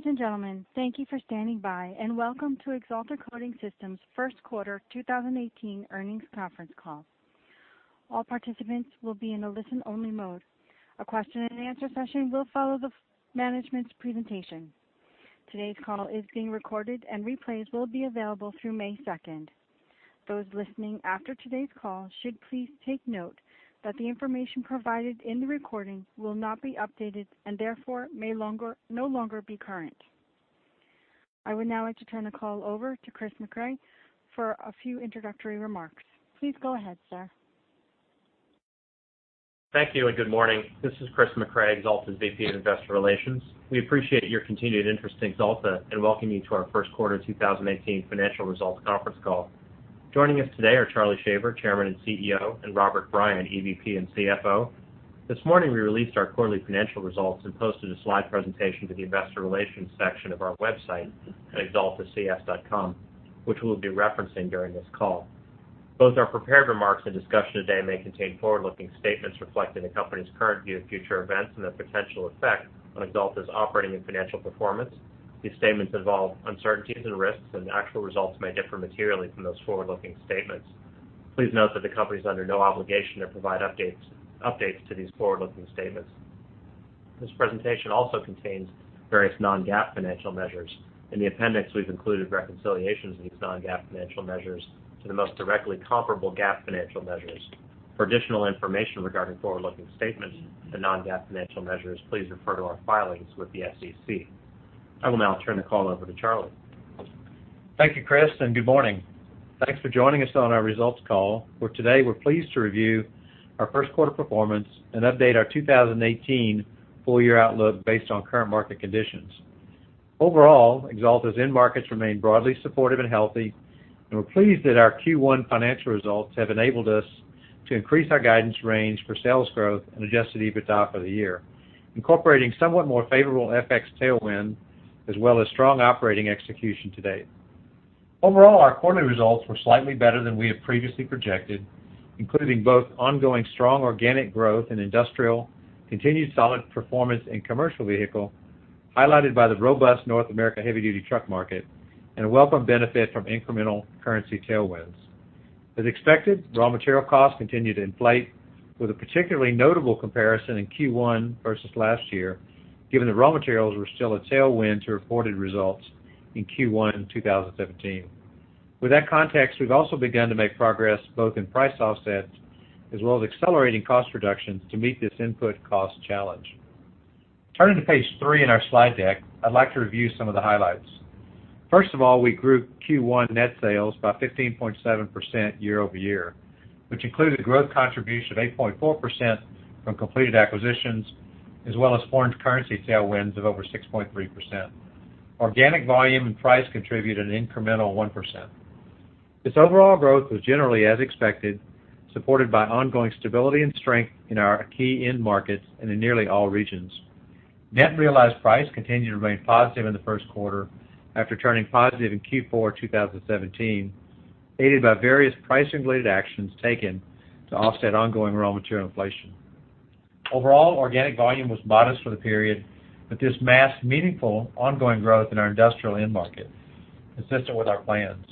Ladies and gentlemen, thank you for standing by, and welcome to Axalta Coating Systems' first quarter 2018 earnings conference call. All participants will be in a listen-only mode. A question and answer session will follow the management's presentation. Today's call is being recorded and replays will be available through May 2nd. Those listening after today's call should please take note that the information provided in the recording will not be updated, and therefore, may no longer be current. I would now like to turn the call over to Chris Mecray for a few introductory remarks. Please go ahead, sir. Thank you. Good morning. This is Chris Mecray, Axalta's VP of Investor Relations. We appreciate your continued interest in Axalta, and welcome you to our first quarter 2018 financial results conference call. Joining us today are Charles Shaver, Chairman and CEO, and Robert Bryant, EVP and CFO. This morning, we released our quarterly financial results and posted a slide presentation to the investor relations section of our website at axaltacs.com, which we'll be referencing during this call. Both our prepared remarks and discussion today may contain forward-looking statements reflecting the company's current view of future events and the potential effect on Axalta's operating and financial performance. These statements involve uncertainties and risks, and actual results may differ materially from those forward-looking statements. Please note that the company is under no obligation to provide updates to these forward-looking statements. This presentation also contains various non-GAAP financial measures. In the appendix, we've included reconciliations of these non-GAAP financial measures to the most directly comparable GAAP financial measures. For additional information regarding forward-looking statements to non-GAAP financial measures, please refer to our filings with the SEC. I will now turn the call over to Charlie. Thank you, Chris. Good morning. Thanks for joining us on our results call, where today we're pleased to review our first quarter performance and update our 2018 full-year outlook based on current market conditions. Overall, Axalta's end markets remain broadly supportive and healthy. We're pleased that our Q1 financial results have enabled us to increase our guidance range for sales growth and adjusted EBITDA for the year, incorporating somewhat more favorable FX tailwind, as well as strong operating execution to date. Overall, our quarterly results were slightly better than we had previously projected, including both ongoing strong organic growth in industrial, continued solid performance in commercial vehicle, highlighted by the robust North America heavy duty truck market, and a welcome benefit from incremental currency tailwinds. As expected, raw material costs continued to inflate with a particularly notable comparison in Q1 versus last year, given that raw materials were still a tailwind to reported results in Q1 2017. With that context, we've also begun to make progress both in price offsets as well as accelerating cost reductions to meet this input cost challenge. Turning to page three in our slide deck, I'd like to review some of the highlights. First of all, we grew Q1 net sales by 15.7% year-over-year, which included a growth contribution of 8.4% from completed acquisitions, as well as foreign currency tailwinds of over 6.3%. Organic volume and price contributed an incremental 1%. This overall growth was generally as expected, supported by ongoing stability and strength in our key end markets and in nearly all regions. Net realized price continued to remain positive in the first quarter after turning positive in Q4 2017, aided by various price-related actions taken to offset ongoing raw material inflation. Overall, organic volume was modest for the period, with this masked meaningful ongoing growth in our industrial end market, consistent with our plans.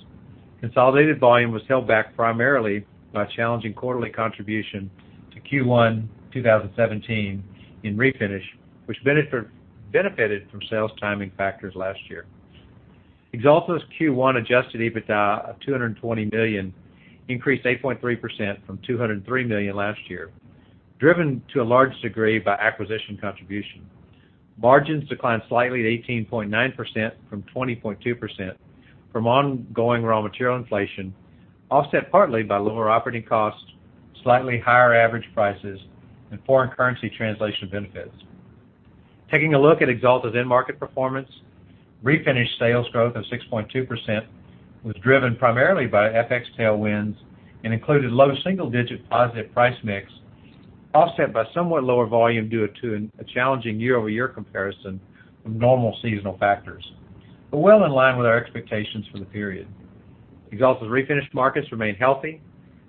Consolidated volume was held back primarily by challenging quarterly contribution to Q1 2017 in Refinish, which benefited from sales timing factors last year. Axalta's Q1 adjusted EBITDA of $220 million increased 8.3% from $203 million last year, driven to a large degree by acquisition contribution. Margins declined slightly to 18.9% from 20.2% from ongoing raw material inflation, offset partly by lower operating costs, slightly higher average prices, and foreign currency translation benefits. Taking a look at Axalta's end market performance, Refinish sales growth of 6.2% was driven primarily by FX tailwinds and included low single-digit positive price mix, offset by somewhat lower volume due to a challenging year-over-year comparison from normal seasonal factors, but well in line with our expectations for the period. Axalta's Refinish markets remain healthy.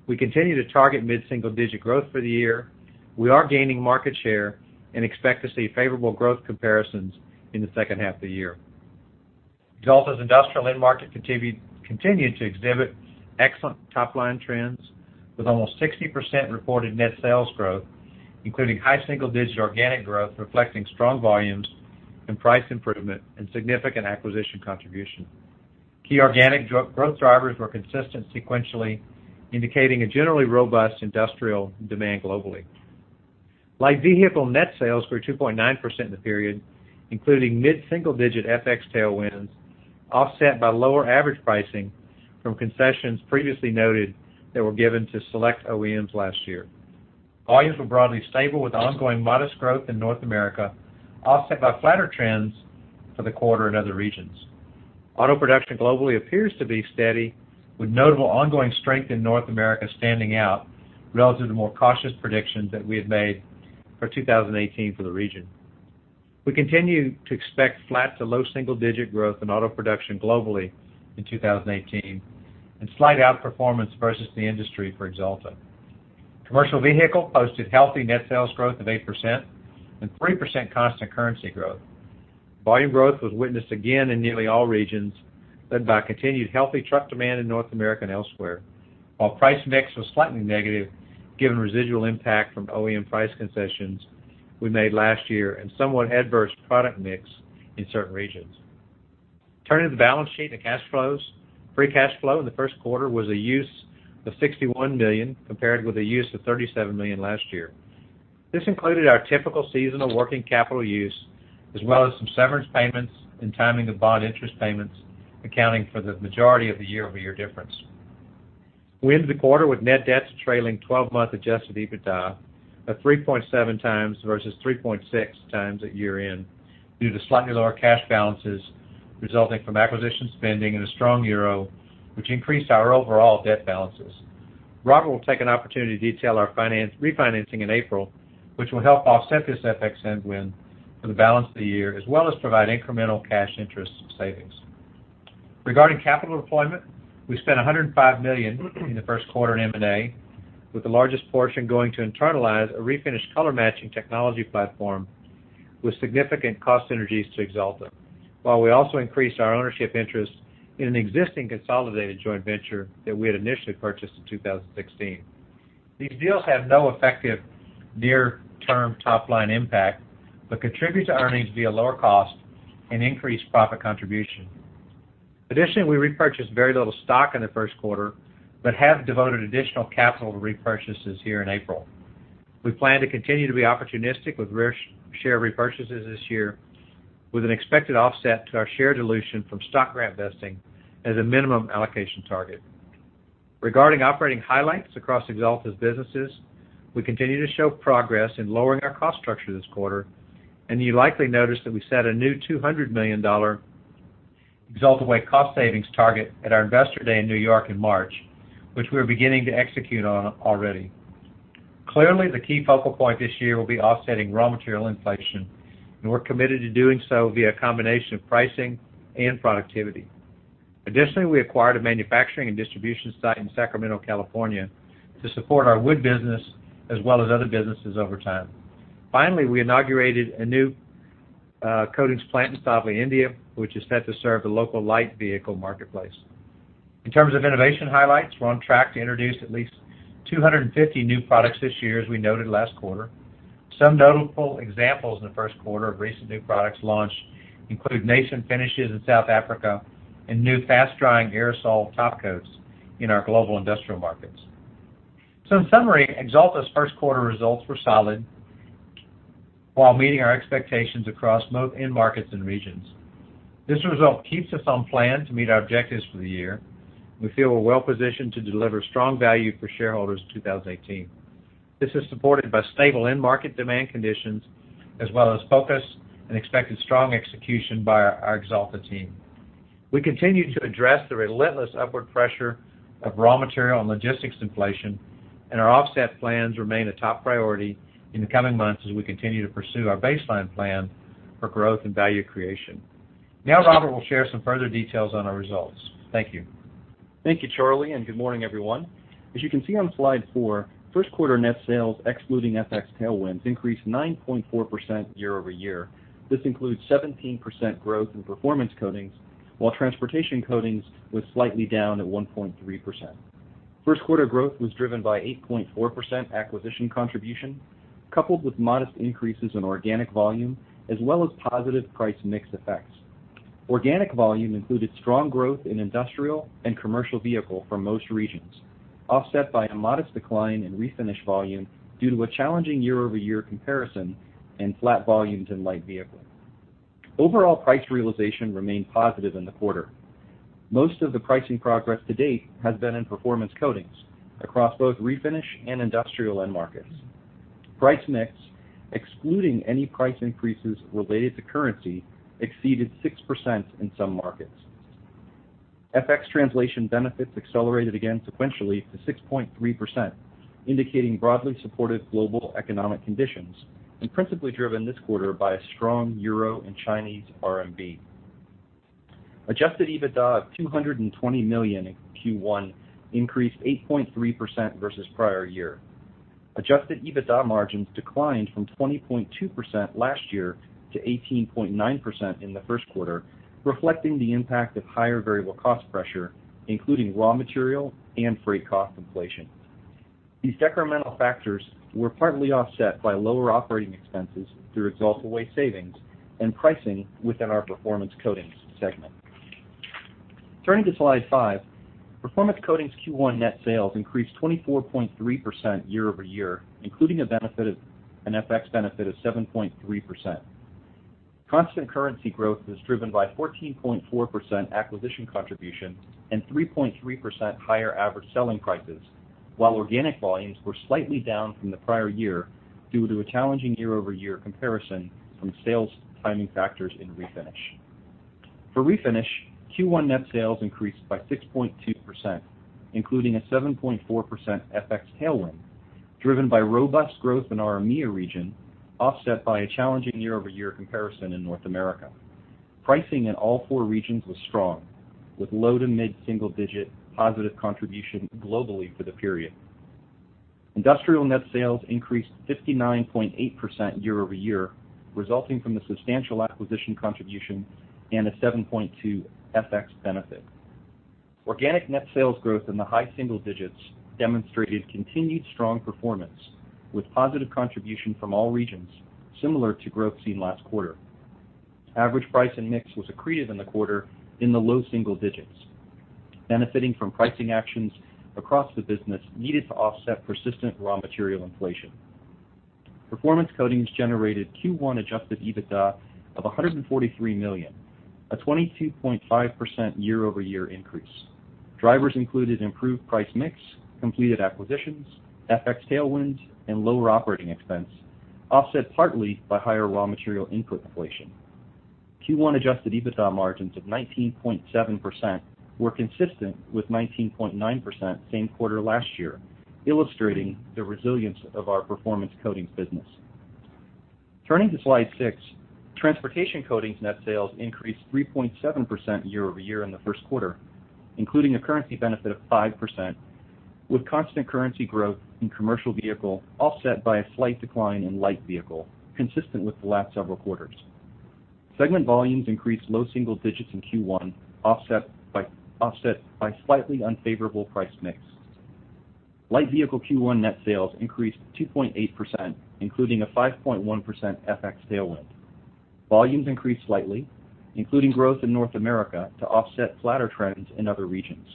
We continue to target mid-single digit growth for the year. We are gaining market share and expect to see favorable growth comparisons in the second half of the year. Axalta's industrial end market continued to exhibit excellent top-line trends with almost 60% reported net sales growth, including high single-digit organic growth, reflecting strong volumes and price improvement and significant acquisition contribution. Key organic growth drivers were consistent sequentially, indicating a generally robust industrial demand globally. Light Vehicle net sales grew 2.9% in the period, including mid-single digit FX tailwinds, offset by lower average pricing from concessions previously noted that were given to select OEMs last year. Volumes were broadly stable with ongoing modest growth in North America, offset by flatter trends for the quarter in other regions. Auto production globally appears to be steady with notable ongoing strength in North America standing out relative to more cautious predictions that we had made for 2018 for the region. We continue to expect flat to low single-digit growth in auto production globally in 2018 and slight outperformance versus the industry for Axalta. Commercial Vehicle posted healthy net sales growth of 8% and 3% constant currency growth. Volume growth was witnessed again in nearly all regions, led by continued healthy truck demand in North America and elsewhere. Price mix was slightly negative, given residual impact from OEM price concessions we made last year and somewhat adverse product mix in certain regions. Turning to the balance sheet and the cash flows. Free cash flow in the first quarter was a use of $61 million, compared with a use of $37 million last year. This included our typical seasonal working capital use, as well as some severance payments and timing of bond interest payments, accounting for the majority of the year-over-year difference. We ended the quarter with net debt trailing 12-month adjusted EBITDA of 3.7 times versus 3.6 times at year-end, due to slightly lower cash balances resulting from acquisition spending and a strong euro, which increased our overall debt balances. Robert will take an opportunity to detail our refinancing in April, which will help offset this FX headwind for the balance of the year, as well as provide incremental cash interest savings. Regarding capital deployment, we spent $105 million in the first quarter in M&A, with the largest portion going to internalize a refinish color matching technology platform with significant cost synergies to Axalta. We also increased our ownership interest in an existing consolidated joint venture that we had initially purchased in 2016. These deals have no effective near-term top-line impact, but contribute to earnings via lower cost and increased profit contribution. Additionally, we repurchased very little stock in the first quarter but have devoted additional capital to repurchases here in April. We plan to continue to be opportunistic with share repurchases this year, with an expected offset to our share dilution from stock grant vesting as a minimum allocation target. Regarding operating highlights across Axalta's businesses, we continue to show progress in lowering our cost structure this quarter. You likely noticed that we set a new $200 million Axalta Way cost savings target at our investor day in New York in March, which we're beginning to execute on already. Clearly, the key focal point this year will be offsetting raw material inflation, and we're committed to doing so via a combination of pricing and productivity. Additionally, we acquired a manufacturing and distribution site in Sacramento, California, to support our wood business as well as other businesses over time. Finally, we inaugurated a new coatings plant in Savli, India, which is set to serve the local light vehicle marketplace. In terms of innovation highlights, we're on track to introduce at least 250 new products this year, as we noted last quarter. Some notable examples in the first quarter of recent new products launched include Nason Finishes in South Africa and new fast-drying aerosol topcoats in our global industrial markets. In summary, Axalta's first quarter results were solid while meeting our expectations across end markets and regions. This result keeps us on plan to meet our objectives for the year, and we feel we're well positioned to deliver strong value for shareholders in 2018. This is supported by stable end market demand conditions as well as focus and expected strong execution by our Axalta team. We continue to address the relentless upward pressure of raw material and logistics inflation. Our offset plans remain a top priority in the coming months as we continue to pursue our baseline plan for growth and value creation. Robert will share some further details on our results. Thank you. Thank you, Charlie. Good morning, everyone. As you can see on slide four, first quarter net sales, excluding FX tailwinds, increased 9.4% year-over-year. This includes 17% growth in Performance Coatings, while Transportation Coatings was slightly down at 1.3%. First quarter growth was driven by 8.4% acquisition contribution, coupled with modest increases in organic volume as well as positive price mix effects. Organic volume included strong growth in industrial and commercial vehicle for most regions, offset by a modest decline in Refinish volume due to a challenging year-over-year comparison and flat volumes in light vehicles. Overall price realization remained positive in the quarter. Most of the pricing progress to date has been in Performance Coatings across both Refinish and industrial end markets. Price mix, excluding any price increases related to currency, exceeded 6% in some markets. FX translation benefits accelerated again sequentially to 6.3%, indicating broadly supported global economic conditions, principally driven this quarter by a strong EUR and CNY. Adjusted EBITDA of $220 million in Q1 increased 8.3% versus prior year. Adjusted EBITDA margins declined from 20.2% last year to 18.9% in the first quarter, reflecting the impact of higher variable cost pressure, including raw material and freight cost inflation. These decremental factors were partly offset by lower operating expenses through The Axalta Way savings and pricing within our Performance Coatings segment. Turning to slide five. Performance Coatings' Q1 net sales increased 24.3% year-over-year, including an FX benefit of 7.3%. Constant currency growth was driven by 14.4% acquisition contribution and 3.3% higher average selling prices, while organic volumes were slightly down from the prior year due to a challenging year-over-year comparison from sales timing factors in refinish. For refinish, Q1 net sales increased by 6.2%, including a 7.4% FX tailwind, driven by robust growth in our EMEIA region, offset by a challenging year-over-year comparison in North America. Pricing in all four regions was strong, with low to mid-single digit positive contribution globally for the period. industrial net sales increased 59.8% year-over-year, resulting from the substantial acquisition contribution and a 7.2% FX benefit. Organic net sales growth in the high single digits demonstrated continued strong performance with positive contribution from all regions, similar to growth seen last quarter. Average price and mix was accretive in the quarter in the low single digits, benefiting from pricing actions across the business needed to offset persistent raw material inflation. Performance Coatings generated Q1 adjusted EBITDA of $143 million, a 22.5% year-over-year increase. Drivers included improved price mix, completed acquisitions, FX tailwinds, and lower operating expense, offset partly by higher raw material input inflation. Q1 adjusted EBITDA margins of 19.7% were consistent with 19.9% same quarter last year, illustrating the resilience of our Performance Coatings business. Turning to slide six, Transportation Coatings net sales increased 3.7% year-over-year in the first quarter, including a currency benefit of 5%, with constant currency growth in commercial vehicle offset by a slight decline in light vehicle, consistent with the last several quarters. Segment volumes increased low single digits in Q1, offset by slightly unfavorable price mix. Light vehicle Q1 net sales increased 2.8%, including a 5.1% FX tailwind. Volumes increased slightly, including growth in North America to offset flatter trends in other regions.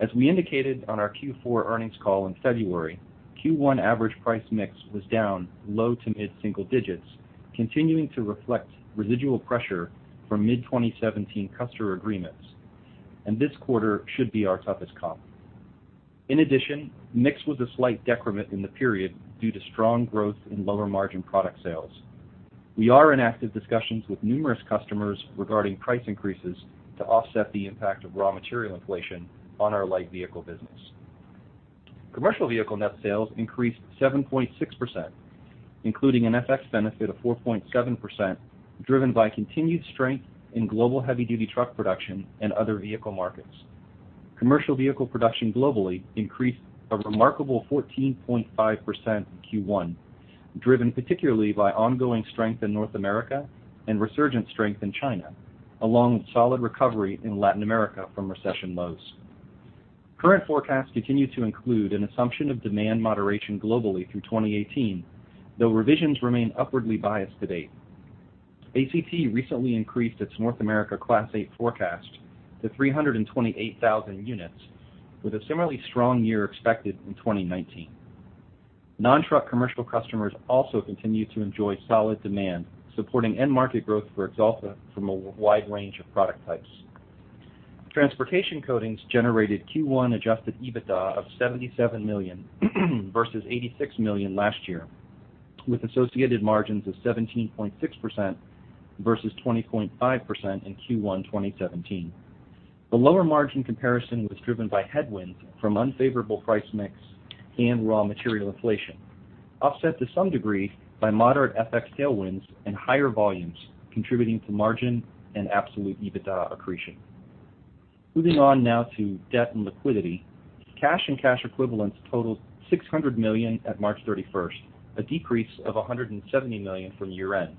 As we indicated on our Q4 earnings call in February, Q1 average price mix was down low to mid-single digits, continuing to reflect residual pressure from mid-2017 customer agreements, and this quarter should be our toughest comp. In addition, mix was a slight decrement in the period due to strong growth in lower margin product sales. We are in active discussions with numerous customers regarding price increases to offset the impact of raw material inflation on our light vehicle business. Commercial vehicle net sales increased 7.6%, including an FX benefit of 4.7%, driven by continued strength in global heavy-duty truck production and other vehicle markets. Commercial vehicle production globally increased a remarkable 14.5% in Q1, driven particularly by ongoing strength in North America and resurgent strength in China, along with solid recovery in Latin America from recession lows. Current forecasts continue to include an assumption of demand moderation globally through 2018, though revisions remain upwardly biased to date. ACT recently increased its North America Class 8 forecast to 328,000 units, with a similarly strong year expected in 2019. Non-truck commercial customers also continue to enjoy solid demand, supporting end market growth for Axalta from a wide range of product types. Transportation Coatings generated Q1 adjusted EBITDA of $77 million versus $86 million last year, with associated margins of 17.6% versus 20.5% in Q1 2017. The lower margin comparison was driven by headwinds from unfavorable price mix and raw material inflation, offset to some degree by moderate FX tailwinds and higher volumes contributing to margin and absolute EBITDA accretion. Moving on now to debt and liquidity. Cash and cash equivalents totaled $600 million at March 31st, a decrease of $170 million from year-end.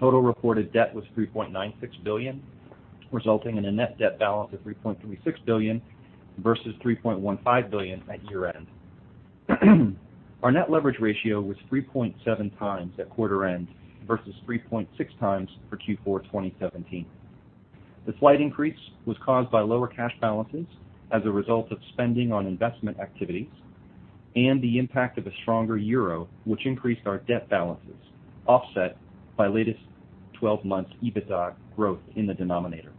Total reported debt was $3.96 billion, resulting in a net debt balance of $3.36 billion versus $3.15 billion at year-end. Our net leverage ratio was 3.7 times at quarter end versus 3.6 times for Q4 2017. The slight increase was caused by lower cash balances as a result of spending on investment activities and the impact of a stronger euro, which increased our debt balances, offset by latest 12 months EBITDA growth in the denominator.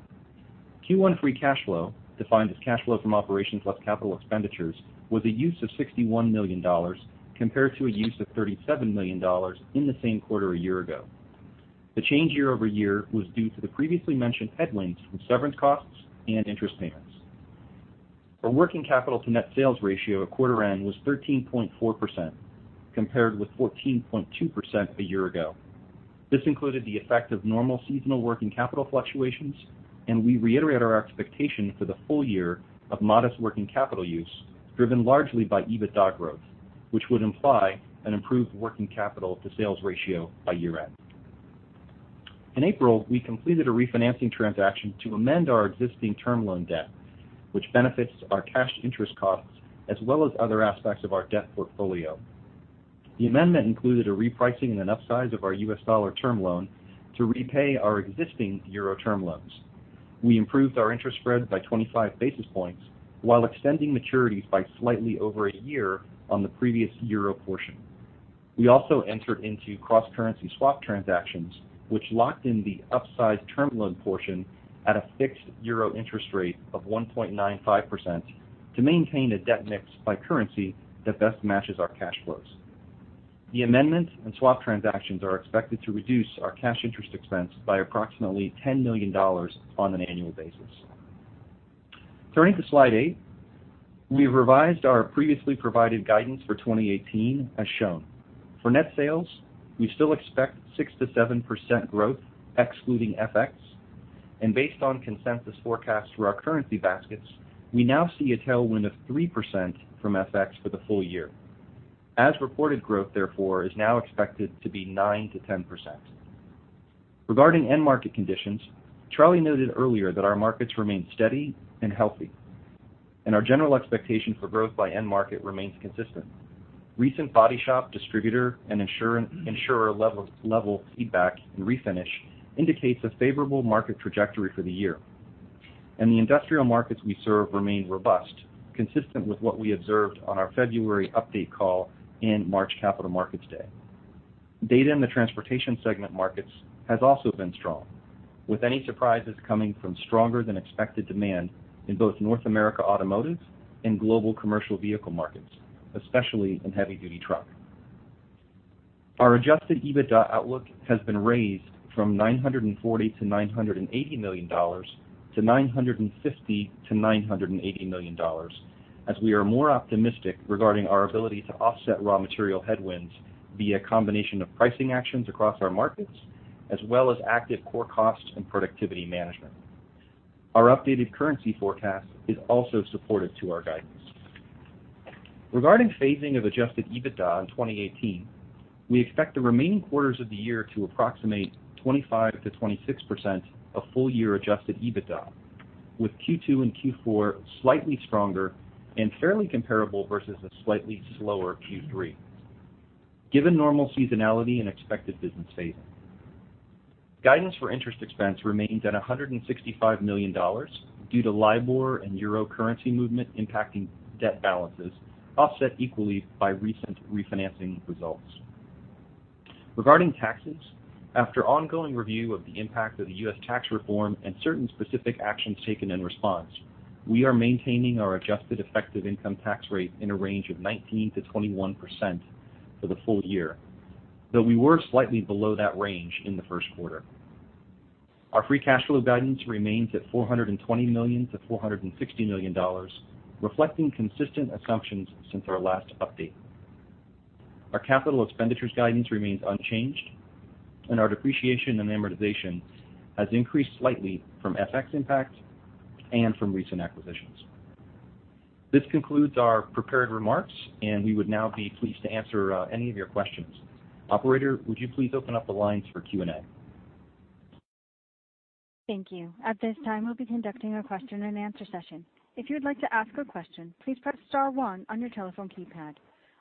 Q1 free cash flow, defined as cash flow from operations plus capital expenditures, was a use of $61 million compared to a use of $37 million in the same quarter a year ago. The change year-over-year was due to the previously mentioned headwinds from severance costs and interest payments. Our working capital to net sales ratio at quarter end was 13.4% compared with 14.2% a year ago. This included the effect of normal seasonal working capital fluctuations. We reiterate our expectation for the full year of modest working capital use, driven largely by EBITDA growth, which would imply an improved working capital to sales ratio by year-end. In April, we completed a refinancing transaction to amend our existing term loan debt, which benefits our cash interest costs as well as other aspects of our debt portfolio. The amendment included a repricing and an upsize of our U.S. dollar term loan to repay our existing EUR term loans. We improved our interest spread by 25 basis points while extending maturities by slightly over a year on the previous EUR portion. We also entered into cross-currency swap transactions, which locked in the upsize term loan portion at a fixed EUR interest rate of 1.95% to maintain a debt mix by currency that best matches our cash flows. The amendment and swap transactions are expected to reduce our cash interest expense by approximately $10 million on an annual basis. Turning to slide eight, we've revised our previously provided guidance for 2018 as shown. For net sales, we still expect 6%-7% growth excluding FX. Based on consensus forecasts for our currency baskets, we now see a tailwind of 3% from FX for the full year. As reported growth, therefore, is now expected to be 9%-10%. Regarding end market conditions, Charlie noted earlier that our markets remain steady and healthy. Our general expectation for growth by end market remains consistent. Recent body shop distributor and insurer level feedback and refinish indicates a favorable market trajectory for the year. The industrial markets we serve remain robust, consistent with what we observed on our February update call and March Capital Markets Day. Data in the transportation segment markets has also been strong, with any surprises coming from stronger than expected demand in both North America automotive and global commercial vehicle markets, especially in heavy-duty truck. Our adjusted EBITDA outlook has been raised from $940 million-$980 million to $950 million-$980 million as we are more optimistic regarding our ability to offset raw material headwinds via combination of pricing actions across our markets, as well as active core cost and productivity management. Our updated currency forecast is also supportive to our guidance. Regarding phasing of adjusted EBITDA in 2018, we expect the remaining quarters of the year to approximate 25%-26% of full year adjusted EBITDA, with Q2 and Q4 slightly stronger and fairly comparable versus a slightly slower Q3 given normal seasonality and expected business phasing. Guidance for interest expense remains at $165 million due to LIBOR and EUR currency movement impacting debt balances offset equally by recent refinancing results. Regarding taxes, after ongoing review of the impact of the U.S. tax reform and certain specific actions taken in response, we are maintaining our adjusted effective income tax rate in a range of 19%-21% for the full year, though we were slightly below that range in the first quarter. Our free cash flow guidance remains at $420 million-$460 million, reflecting consistent assumptions since our last update. Our capital expenditures guidance remains unchanged. Our depreciation and amortization has increased slightly from FX impact and from recent acquisitions. This concludes our prepared remarks. We would now be pleased to answer any of your questions. Operator, would you please open up the lines for Q&A? Thank you. At this time, we'll be conducting a question and answer session. If you would like to ask a question, please press star one on your telephone keypad.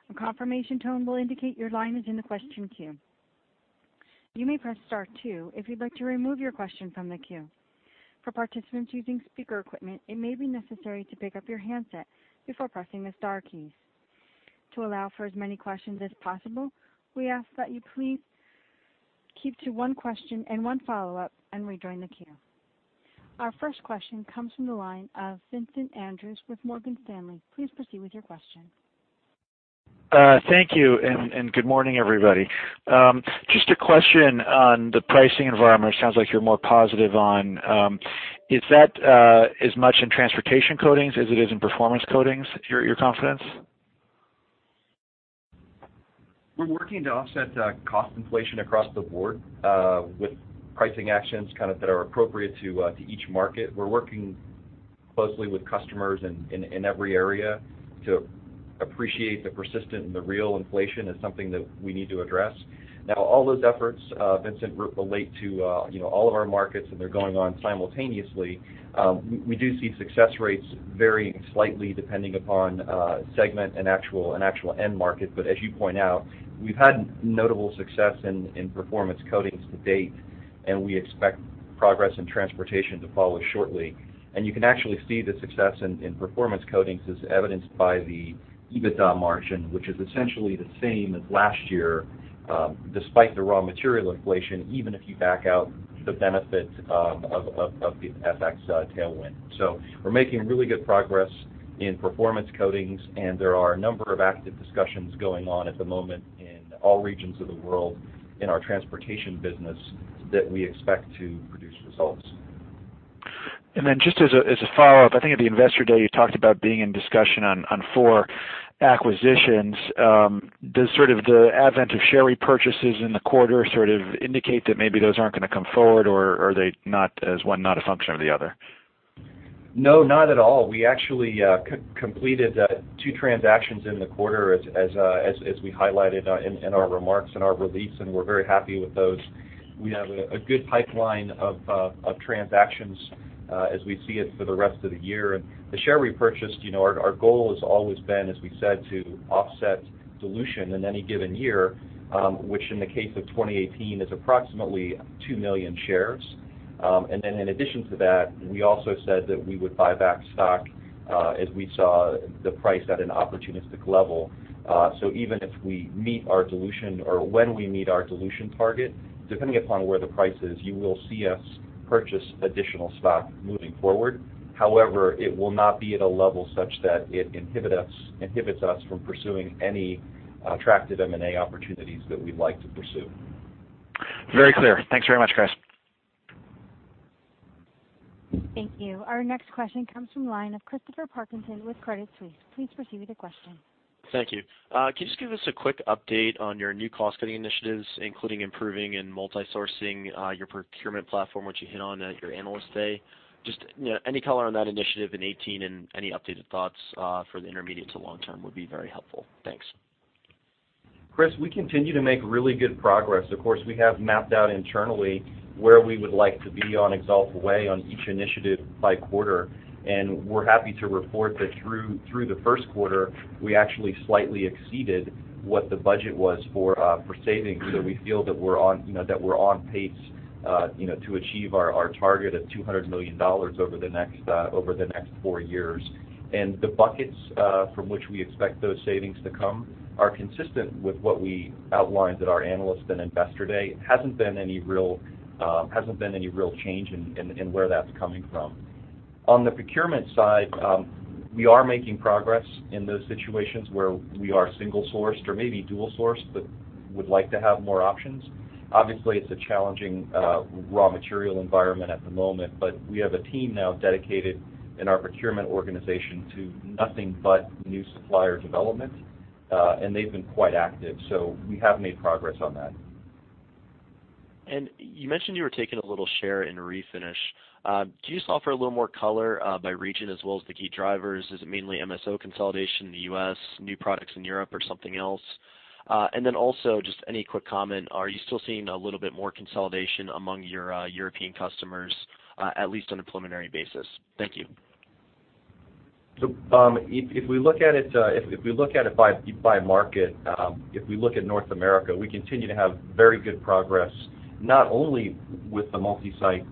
A confirmation tone will indicate your line is in the question queue. You may press star two if you'd like to remove your question from the queue. For participants using speaker equipment, it may be necessary to pick up your handset before pressing the star keys. To allow for as many questions as possible, we ask that you please keep to one question and one follow-up and rejoin the queue. Our first question comes from the line of Vincent Andrews with Morgan Stanley. Please proceed with your question. Thank you, good morning, everybody. Just a question on the pricing environment. It sounds like you're more positive on. Is that as much in transportation coatings as it is in Performance Coatings, your confidence? We're working to offset cost inflation across the board, with pricing actions that are appropriate to each market. We're working closely with customers in every area to appreciate the persistent and the real inflation as something that we need to address. All those efforts, Vincent, relate to all of our markets, they're going on simultaneously. We do see success rates varying slightly depending upon segment and actual end market. As you point out, we've had notable success in Performance Coatings to date, we expect progress in transportation to follow shortly. You can actually see the success in Performance Coatings as evidenced by the EBITDA margin, which is essentially the same as last year, despite the raw material inflation, even if you back out the benefit of the FX tailwind. We're making really good progress in Performance Coatings, there are a number of active discussions going on at the moment in all regions of the world in our transportation business that we expect to produce results. Just as a follow-up, I think at the Investor Day, you talked about being in discussion on four acquisitions. Does sort of the advent of share repurchases in the quarter sort of indicate that maybe those aren't going to come forward, or is one not a function of the other? No, not at all. We actually completed two transactions in the quarter as we highlighted in our remarks and our release, and we're very happy with those. We have a good pipeline of transactions as we see it for the rest of the year. The share repurchase, our goal has always been, as we said, to offset dilution in any given year, which in the case of 2018, is approximately two million shares. In addition to that, we also said that we would buy back stock, as we saw the price at an opportunistic level. Even if we meet our dilution or when we meet our dilution target, depending upon where the price is, you will see us purchase additional stock moving forward. However, it will not be at a level such that it inhibits us from pursuing any attractive M&A opportunities that we'd like to pursue. Very clear. Thanks very much, Chris. Thank you. Our next question comes from the line of Christopher Parkinson with Credit Suisse. Please proceed with your question. Thank you. Can you just give us a quick update on your new cost-cutting initiatives, including improving and multi-sourcing your procurement platform, which you hit on at your Analyst Day? Just any color on that initiative in 2018 and any updated thoughts for the intermediate to long term would be very helpful. Thanks. Chris, we continue to make really good progress. Of course, we have mapped out internally where we would like to be on The Axalta Way on each initiative by quarter, and we're happy to report that through the first quarter, we actually slightly exceeded what the budget was for savings. We feel that we're on pace to achieve our target of $200 million over the next four years. The buckets from which we expect those savings to come are consistent with what we outlined at our Analyst and Investor Day. It hasn't been any real change in where that's coming from. On the procurement side, we are making progress in those situations where we are single-sourced or maybe dual-sourced, but would like to have more options. Obviously, it's a challenging raw material environment at the moment, we have a team now dedicated in our procurement organization to nothing but new supplier development. They've been quite active, we have made progress on that. You mentioned you were taking a little share in refinish. Can you just offer a little more color by region as well as the key drivers? Is it mainly MSO consolidation in the U.S., new products in Europe, or something else? Also, just any quick comment, are you still seeing a little bit more consolidation among your European customers, at least on a preliminary basis? Thank you. If we look at it by market, if we look at North America, we continue to have very good progress, not only with the multi-site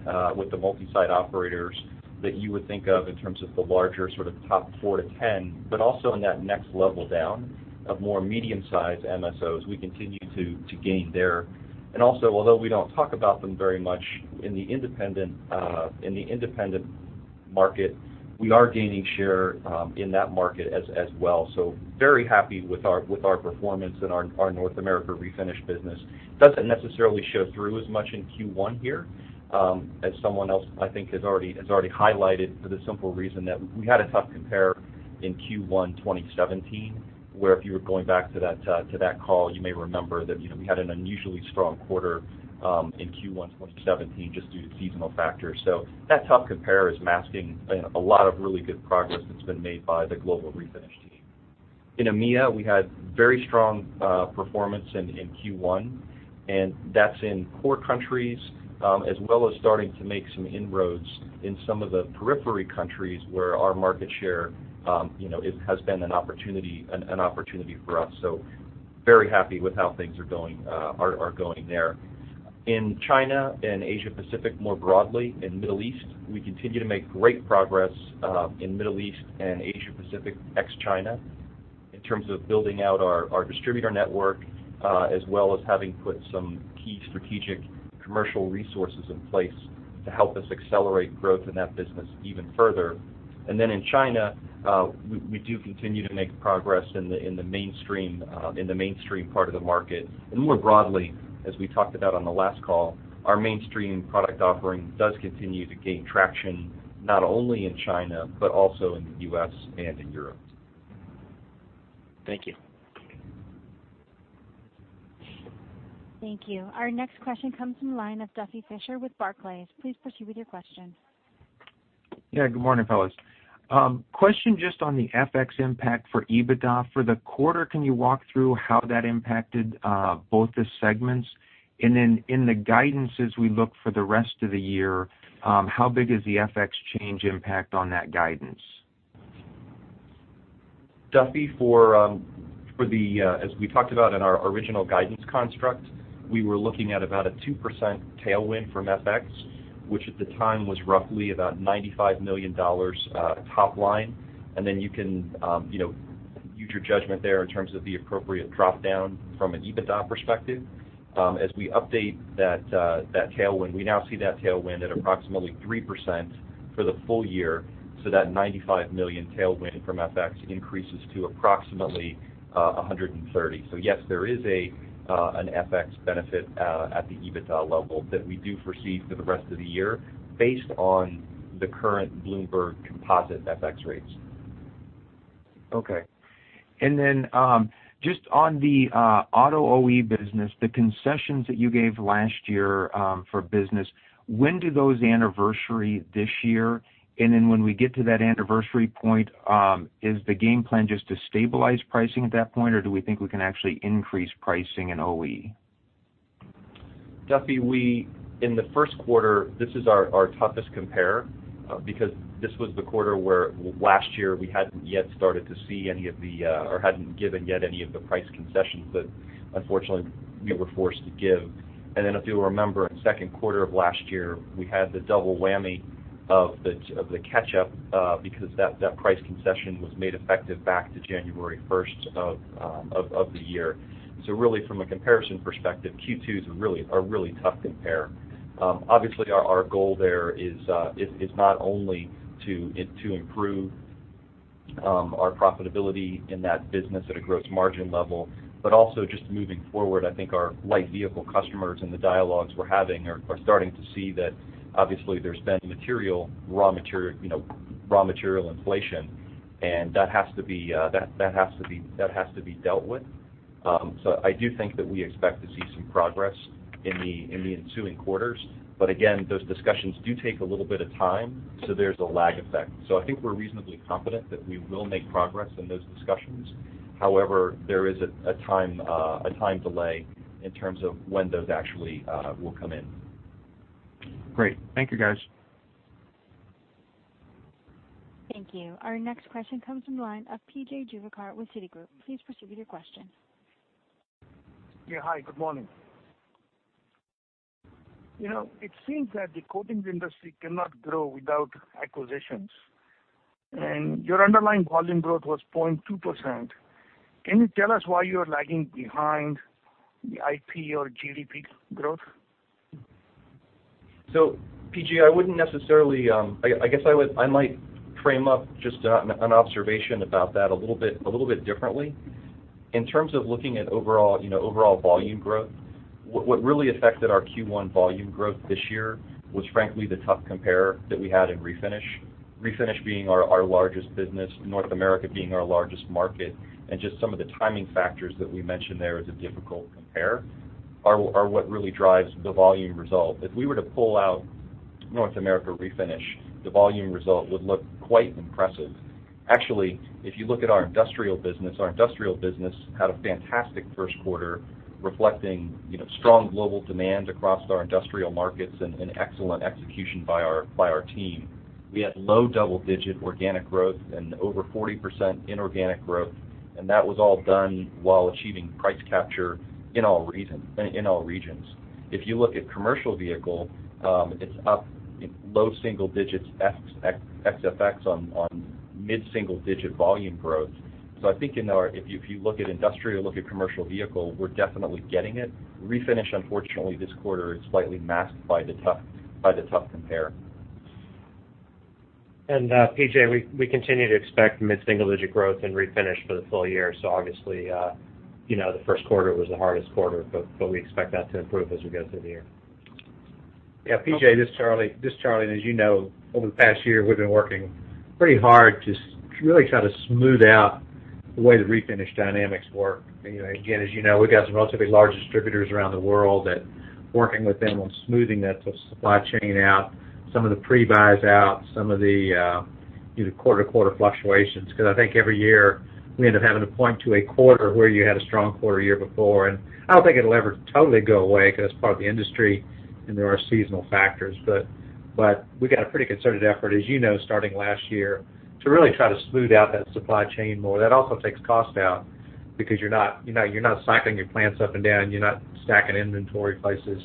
operators that you would think of in terms of the larger sort of top 4-10, but also in that next level down of more medium-sized MSOs. We continue to gain there. Also, although we don't talk about them very much in the independent market, we are gaining share in that market as well. Very happy with our performance in our North America refinish business. Doesn't necessarily show through as much in Q1 here, as someone else, I think, has already highlighted for the simple reason that we had a tough compare in Q1 2017, where if you were going back to that call, you may remember that we had an unusually strong quarter, in Q1 2017 just due to seasonal factors. That tough compare is masking a lot of really good progress that's been made by the global refinish team. In EMEA, we had very strong performance in Q1, and that's in core countries, as well as starting to make some inroads in some of the periphery countries where our market share has been an opportunity for us. Very happy with how things are going there. In China and Asia Pacific more broadly, in Middle East, we continue to make great progress in Middle East and Asia Pacific ex-China in terms of building out our distributor network, as well as having put some key strategic commercial resources in place to help us accelerate growth in that business even further. In China, we do continue to make progress in the mainstream part of the market. More broadly, as we talked about on the last call, our mainstream product offering does continue to gain traction, not only in China, but also in the U.S. and in Europe. Thank you. Thank you. Our next question comes from the line of Duffy Fischer with Barclays. Please proceed with your question. Yeah, good morning, fellas. Question just on the FX impact for EBITDA. For the quarter, can you walk through how that impacted both the segments? Then in the guidance as we look for the rest of the year, how big is the FX change impact on that guidance? Duffy, as we talked about in our original guidance construct, we were looking at about a 2% tailwind from FX, which at the time was roughly about $95 million top line. Then you can use your judgment there in terms of the appropriate drop-down from an EBITDA perspective. As we update that tailwind, we now see that tailwind at approximately 3% for the full year, so that $95 million tailwind from FX increases to approximately $130 million. Yes, there is an FX benefit at the EBITDA level that we do foresee for the rest of the year based on the current Bloomberg composite FX rates. Okay. Just on the auto OE business, the concessions that you gave last year for business, when do those anniversary this year? When we get to that anniversary point, is the game plan just to stabilize pricing at that point, or do we think we can actually increase pricing in OE? Duffy, in the first quarter, this is our toughest compare, because this was the quarter where last year we hadn't yet started to see any of the price concessions that unfortunately we were forced to give. If you'll remember, in second quarter of last year, we had the double whammy of the catch-up, because that price concession was made effective back to January 1st of the year. Really from a comparison perspective, Q2s are a really tough compare. Our goal there is not only to improve our profitability in that business at a gross margin level, but also just moving forward, I think our light vehicle customers and the dialogues we're having are starting to see that obviously there's been raw material inflation, and that has to be dealt with. I do think that we expect to see some progress in the ensuing quarters. Again, those discussions do take a little bit of time, there's a lag effect. I think we're reasonably confident that we will make progress in those discussions. However, there is a time delay in terms of when those actually will come in. Great. Thank you, guys. Thank you. Our next question comes from the line of PJ Juvekar with Citigroup. Please proceed with your question. Yeah. Hi, good morning. It seems that the coatings industry cannot grow without acquisitions. Your underlying volume growth was 0.2%. Can you tell us why you're lagging behind the IP or GDP growth? PJ, I guess I might frame up just an observation about that a little bit differently. In terms of looking at overall volume growth, what really affected our Q1 volume growth this year was frankly the tough compare that we had in refinish. Refinish being our largest business, North America being our largest market, and just some of the timing factors that we mentioned there as a difficult compare are what really drives the volume result. If we were to pull out North America refinish, the volume result would look quite impressive. Actually, if you look at our industrial business, our industrial business had a fantastic first quarter reflecting strong global demand across our industrial markets and an excellent execution by our team. We had low double-digit organic growth and over 40% inorganic growth, and that was all done while achieving price capture in all regions. If you look at commercial vehicle, it's up low single digits ex FX on mid-single digit volume growth. I think if you look at industrial, look at commercial vehicle, we're definitely getting it. Refinish, unfortunately, this quarter is slightly masked by the tough compare. PJ, we continue to expect mid-single-digit growth in refinish for the full year. Obviously, the first quarter was the hardest quarter, we expect that to improve as we go through the year. Yeah, PJ, this is Charles. As you know, over the past year, we've been working pretty hard to really try to smooth out the way the refinish dynamics work. Again, as you know, we've got some relatively large distributors around the world that working with them on smoothing that supply chain out, some of the pre-buys out, some of the quarter-to-quarter fluctuations, because I think every year we end up having to point to a quarter where you had a strong quarter a year before. I don't think it'll ever totally go away because it's part of the industry, and there are seasonal factors. We've got a pretty concerted effort, as you know, starting last year, to really try to smooth out that supply chain more. That also takes cost out because you're not cycling your plants up and down. You're not stacking inventory places.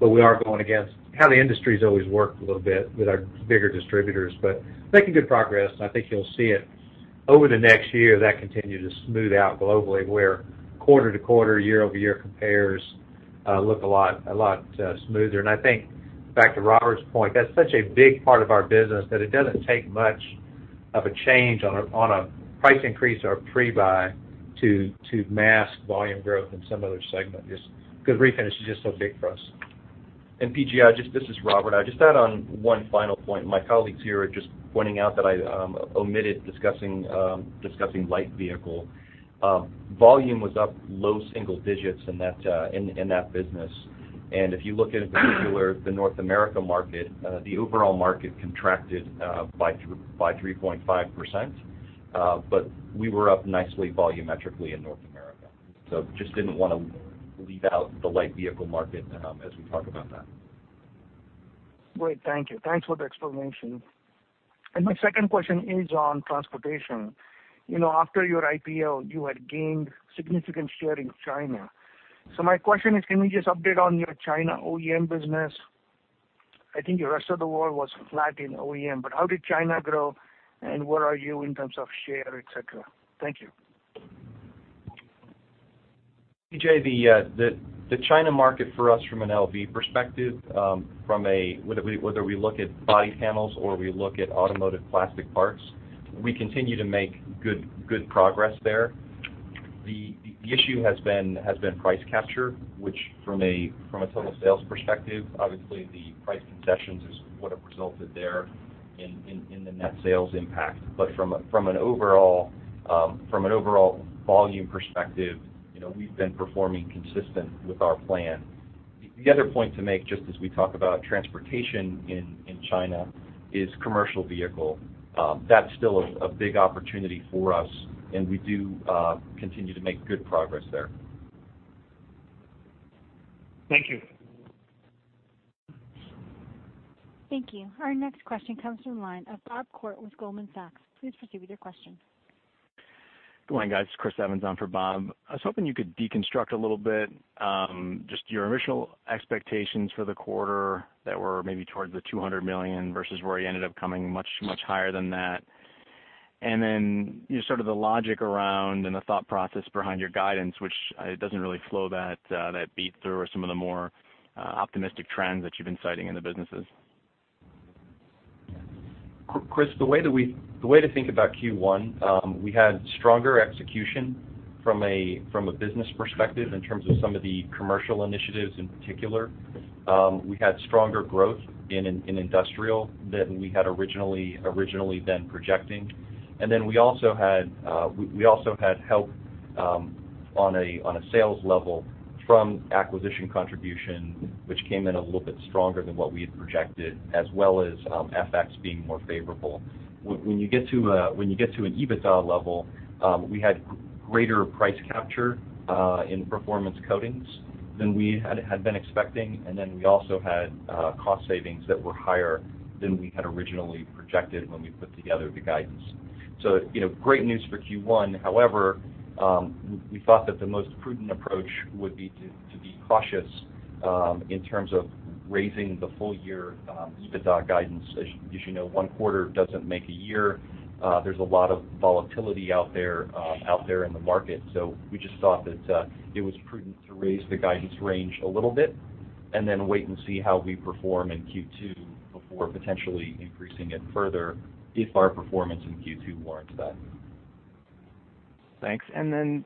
We are going against how the industry's always worked a little bit with our bigger distributors, but making good progress, and I think you'll see it over the next year, that continue to smooth out globally, where quarter-to-quarter, year-over-year compares look a lot smoother. I think back to Robert's point, that's such a big part of our business that it doesn't take much of a change on a price increase or a pre-buy to mask volume growth in some other segment, just because refinish is just so big for us. PJ, this is Robert. Just add on one final point. My colleagues here are just pointing out that I omitted discussing light vehicle. Volume was up low single digits in that business. If you look at it particular, the North America market, the overall market contracted by 3.5%. We were up nicely volumetrically in North America. Just didn't want to leave out the light vehicle market as we talk about that. Great. Thank you. Thanks for the explanation. My second question is on transportation. After your IPO, you had gained significant share in China. My question is, can you just update on your China OEM business? I think the rest of the world was flat in OEM, but how did China grow, and where are you in terms of share, et cetera? Thank you. PJ, the China market for us from an LV perspective, from whether we look at body panels or we look at automotive plastic parts, we continue to make good progress there. The issue has been price capture, which from a total sales perspective, obviously the price concessions is what have resulted there in the net sales impact. From an overall volume perspective, we've been performing consistent with our plan. The other point to make, just as we talk about transportation in China, is commercial vehicle. That's still a big opportunity for us, and we do continue to make good progress there. Thank you. Thank you. Our next question comes from the line of Bob Koort with Goldman Sachs. Please proceed with your question. Good morning, guys. Chris Evans on for Bob. I was hoping you could deconstruct a little bit, just your initial expectations for the quarter that were maybe towards the $200 million versus where you ended up coming much, much higher than that. Just sort of the logic around and the thought process behind your guidance, which it doesn't really flow that beat through or some of the more optimistic trends that you've been citing in the businesses. Chris, the way to think about Q1, we had stronger execution from a business perspective in terms of some of the commercial initiatives in particular. We had stronger growth in industrial than we had originally been projecting. We also had help on a sales level from acquisition contribution, which came in a little bit stronger than what we had projected, as well as FX being more favorable. When you get to an EBITDA level, we had greater price capture in Performance Coatings than we had been expecting. We also had cost savings that were higher than we had originally projected when we put together the guidance. Great news for Q1. However, we thought that the most prudent approach would be to be cautious in terms of raising the full year EBITDA guidance. As you know, one quarter doesn't make a year. There's a lot of volatility out there in the market. We just thought that it was prudent to raise the guidance range a little bit, and then wait and see how we perform in Q2 before potentially increasing it further if our performance in Q2 warrants that. Thanks.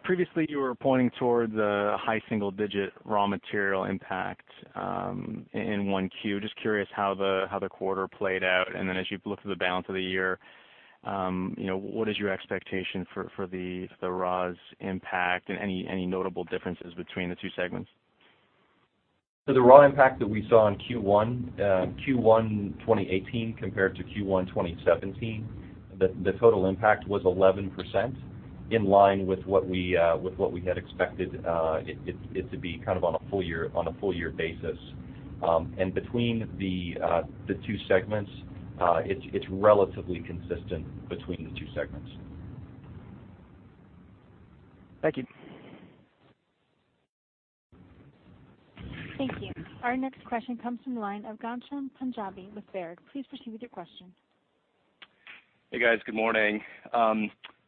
Previously, you were pointing towards a high single-digit raw material impact in 1Q. Just curious how the quarter played out. As you look to the balance of the year, what is your expectation for the raws impact and any notable differences between the two segments? The raw impact that we saw in Q1 2018 compared to Q1 2017, the total impact was 11%, in line with what we had expected it to be on a full year basis. Between the two segments, it's relatively consistent between the two segments. Thank you. Thank you. Our next question comes from the line of Ghansham Panjabi with Baird. Please proceed with your question. Hey, guys. Good morning.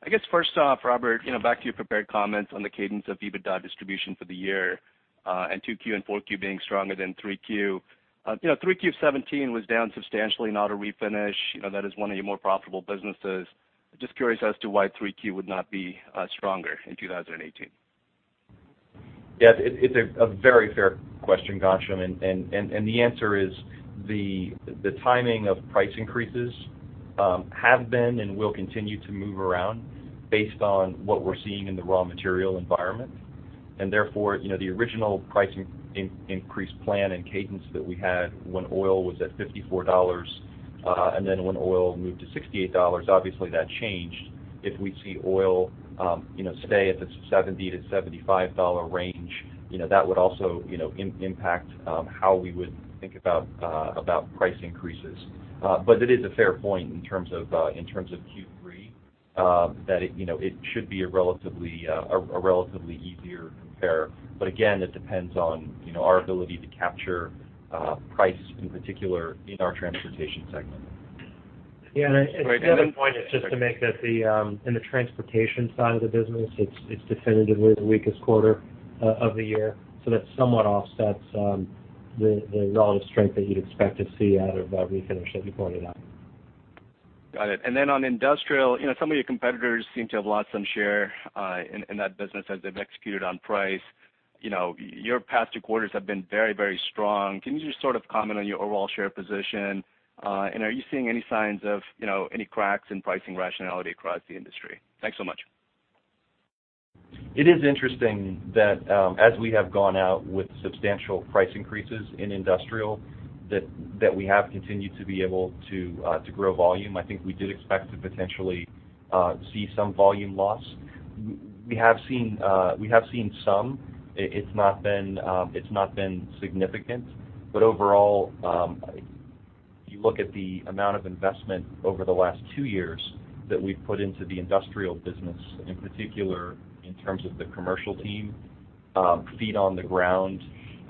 I guess first off, Robert, back to your prepared comments on the cadence of EBITDA distribution for the year, 2Q and 4Q being stronger than 3Q. 3Q of 2017 was down substantially in auto refinish. That is one of your more profitable businesses. Just curious as to why 3Q would not be stronger in 2018. It's a very fair question, Ghansham. The answer is the timing of price increases have been and will continue to move around based on what we're seeing in the raw material environment. Therefore, the original price increase plan and cadence that we had when oil was at $54, then when oil moved to $68, obviously that changed. If we see oil stay at the $70-$75 range, that would also impact how we would think about price increases. It is a fair point in terms of Q3, that it should be a relatively easier compare. Again, it depends on our ability to capture price, in particular in our transportation segment. The other point is just to make that in the transportation side of the business, it's definitively the weakest quarter of the year. That somewhat offsets the relative strength that you'd expect to see out of refinish that you pointed out. Got it. Then on industrial, some of your competitors seem to have lost some share in that business as they've executed on price. Your past two quarters have been very strong. Can you just sort of comment on your overall share position? Are you seeing any signs of any cracks in pricing rationality across the industry? Thanks so much. It is interesting that as we have gone out with substantial price increases in industrial, that we have continued to be able to grow volume. I think we did expect to potentially see some volume loss. We have seen some. It's not been significant. Overall, if you look at the amount of investment over the last two years that we've put into the industrial business, in particular in terms of the commercial team, feet on the ground,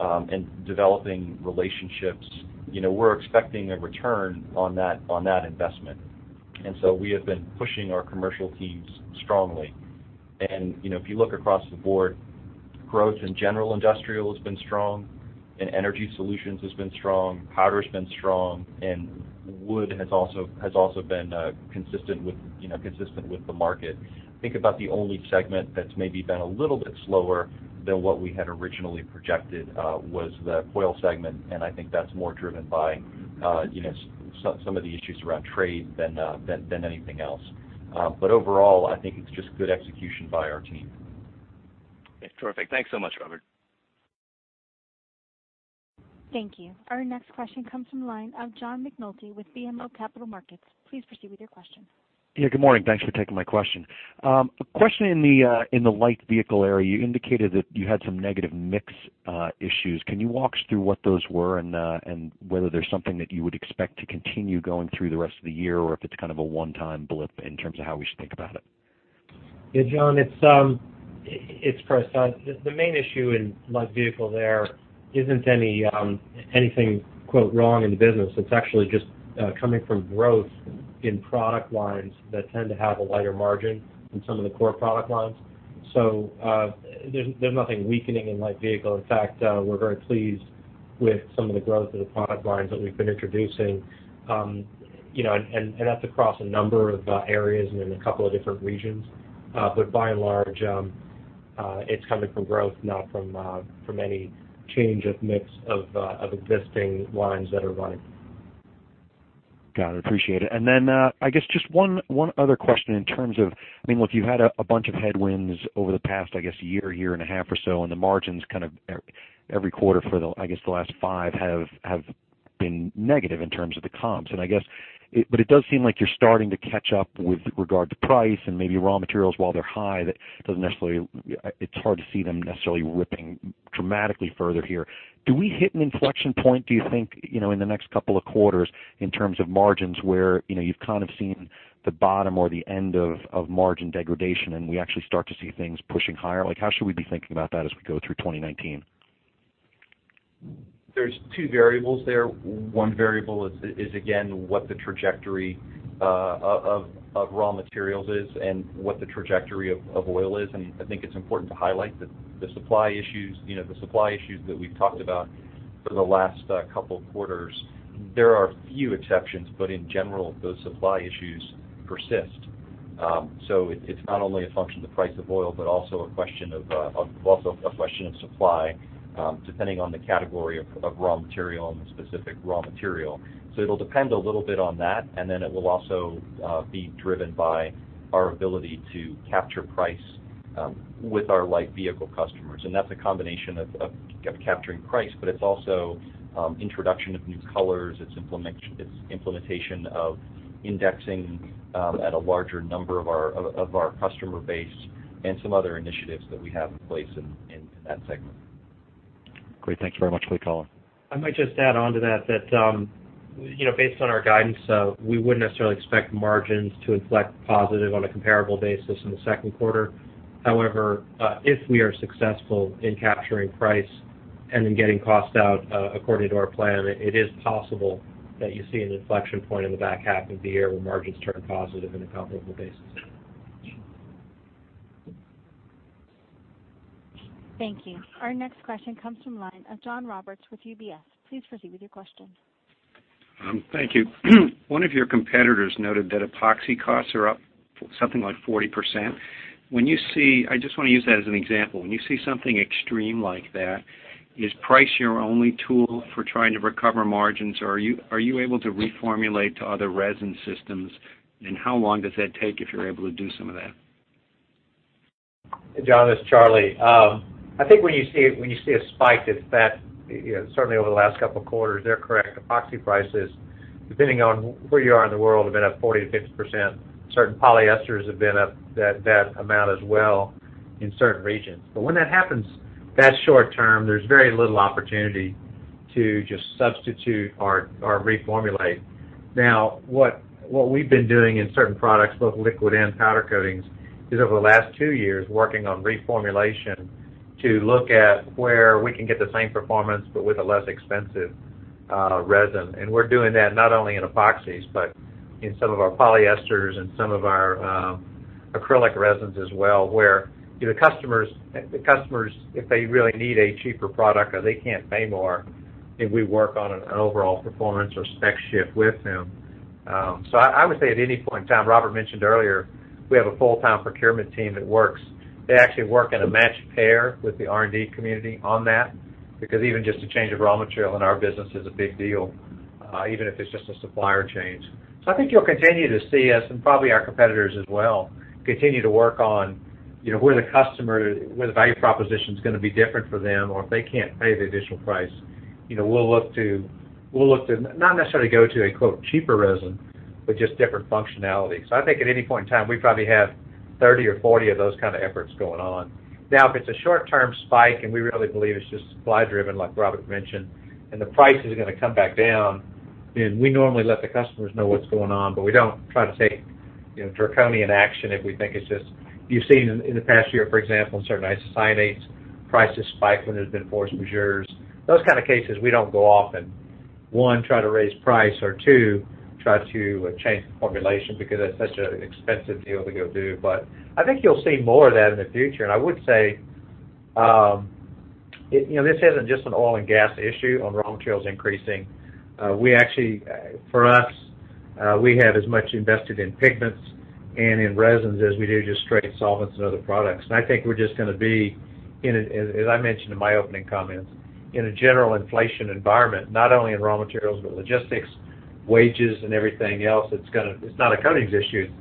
and developing relationships, we're expecting a return on that investment. We have been pushing our commercial teams strongly. If you look across the board, growth in general industrial has been strong, energy solutions has been strong, powder's been strong, wood has also been consistent with the market. Think about the only segment that's maybe been a little bit slower than what we had originally projected was the coil segment, I think that's more driven by some of the issues around trade than anything else. Overall, I think it's just good execution by our team. Terrific. Thanks so much, Robert. Thank you. Our next question comes from the line of John McNulty with BMO Capital Markets. Please proceed with your question. Yeah, good morning. Thanks for taking my question. A question in the light vehicle area. You indicated that you had some negative mix issues. Can you walk us through what those were and whether there's something that you would expect to continue going through the rest of the year, or if it's kind of a one-time blip in terms of how we should think about it? Yeah, John, it's Chris. The main issue in Light Vehicle there isn't anything, quote, "wrong" in the business. It's actually just coming from growth in product lines that tend to have a lighter margin than some of the core product lines. There's nothing weakening in Light Vehicle. In fact, we're very pleased with some of the growth of the product lines that we've been introducing, and that's across a number of areas and in a couple of different regions. By and large, it's coming from growth, not from any change of mix of existing lines that are running. Got it. Appreciate it. I guess just one other question in terms of, look, you've had a bunch of headwinds over the past, I guess, year and a half or so, and the margins kind of every quarter for, I guess, the last five have been negative in terms of the comps. It does seem like you're starting to catch up with regard to price and maybe raw materials, while they're high, it's hard to see them necessarily ripping dramatically further here. Do we hit an inflection point, do you think, in the next couple of quarters in terms of margins where you've kind of seen the bottom or the end of margin degradation and we actually start to see things pushing higher? How should we be thinking about that as we go through 2019? There's two variables there. One variable is, again, what the trajectory of raw materials is and what the trajectory of oil is. I think it's important to highlight that the supply issues that we've talked about for the last couple of quarters, there are few exceptions, but in general, those supply issues persist. It's not only a function of the price of oil, but also a question of supply, depending on the category of raw material and the specific raw material. It'll depend a little bit on that, and then it will also be driven by our ability to capture price with our Light Vehicle customers. That's a combination of capturing price, but it's also introduction of new colors, it's implementation of indexing at a larger number of our customer base and some other initiatives that we have in place in that segment. Great. Thanks very much. Great call. I might just add onto that based on our guidance, we wouldn't necessarily expect margins to inflect positive on a comparable basis in the second quarter. However, if we are successful in capturing price and in getting cost out according to our plan, it is possible that you see an inflection point in the back half of the year where margins turn positive on a comparable basis. Thank you. Our next question comes from the line of John Roberts with UBS. Please proceed with your question. Thank you. One of your competitors noted that epoxy costs are up something like 40%. I just want to use that as an example. When you see something extreme like that, is price your only tool for trying to recover margins, or are you able to reformulate to other resin systems, and how long does that take if you're able to do some of that? John, this is Charlie. I think when you see a spike as that, certainly over the last couple of quarters, they're correct. Epoxy prices, depending on where you are in the world, have been up 40%-50%. Certain polyesters have been up that amount as well in certain regions. When that happens, that's short term. There's very little opportunity to just substitute or reformulate. What we've been doing in certain products, both liquid and powder coatings, is over the last two years, working on reformulation to look at where we can get the same performance but with a less expensive resin. We're doing that not only in epoxies, but in some of our polyesters and some of our acrylic resins as well, where the customers, if they really need a cheaper product or they can't pay more, then we work on an overall performance or spec shift with them. I would say at any point in time, Robert Bryant mentioned earlier, we have a full-time procurement team that works. They actually work in a matched pair with the R&D community on that, because even just a change of raw material in our business is a big deal, even if it's just a supplier change. I think you'll continue to see us, and probably our competitors as well, continue to work on where the value proposition's going to be different for them, or if they can't pay the additional price, we'll look to not necessarily go to a quote cheaper resin, but just different functionality. I think at any point in time, we probably have 30 or 40 of those kind of efforts going on. If it's a short term spike and we really believe it's just supply driven, like Robert Bryant mentioned, and the price is going to come back down, then we normally let the customers know what's going on. We don't try to take draconian action if we think it's just, you've seen in the past year, for example, in certain isocyanates, prices spike when there's been force majeures. Those kind of cases, we don't go off and, one, try to raise price or two, try to change the formulation because that's such an expensive deal to go do. I think you'll see more of that in the future. I would say, this isn't just an oil and gas issue on raw materials increasing. For us, we have as much invested in pigments and in resins as we do just straight solvents and other products. I think we're just going to be, as I mentioned in my opening comments, in a general inflation environment, not only in raw materials, but logistics, wages, and everything else. It's not a coatings issue,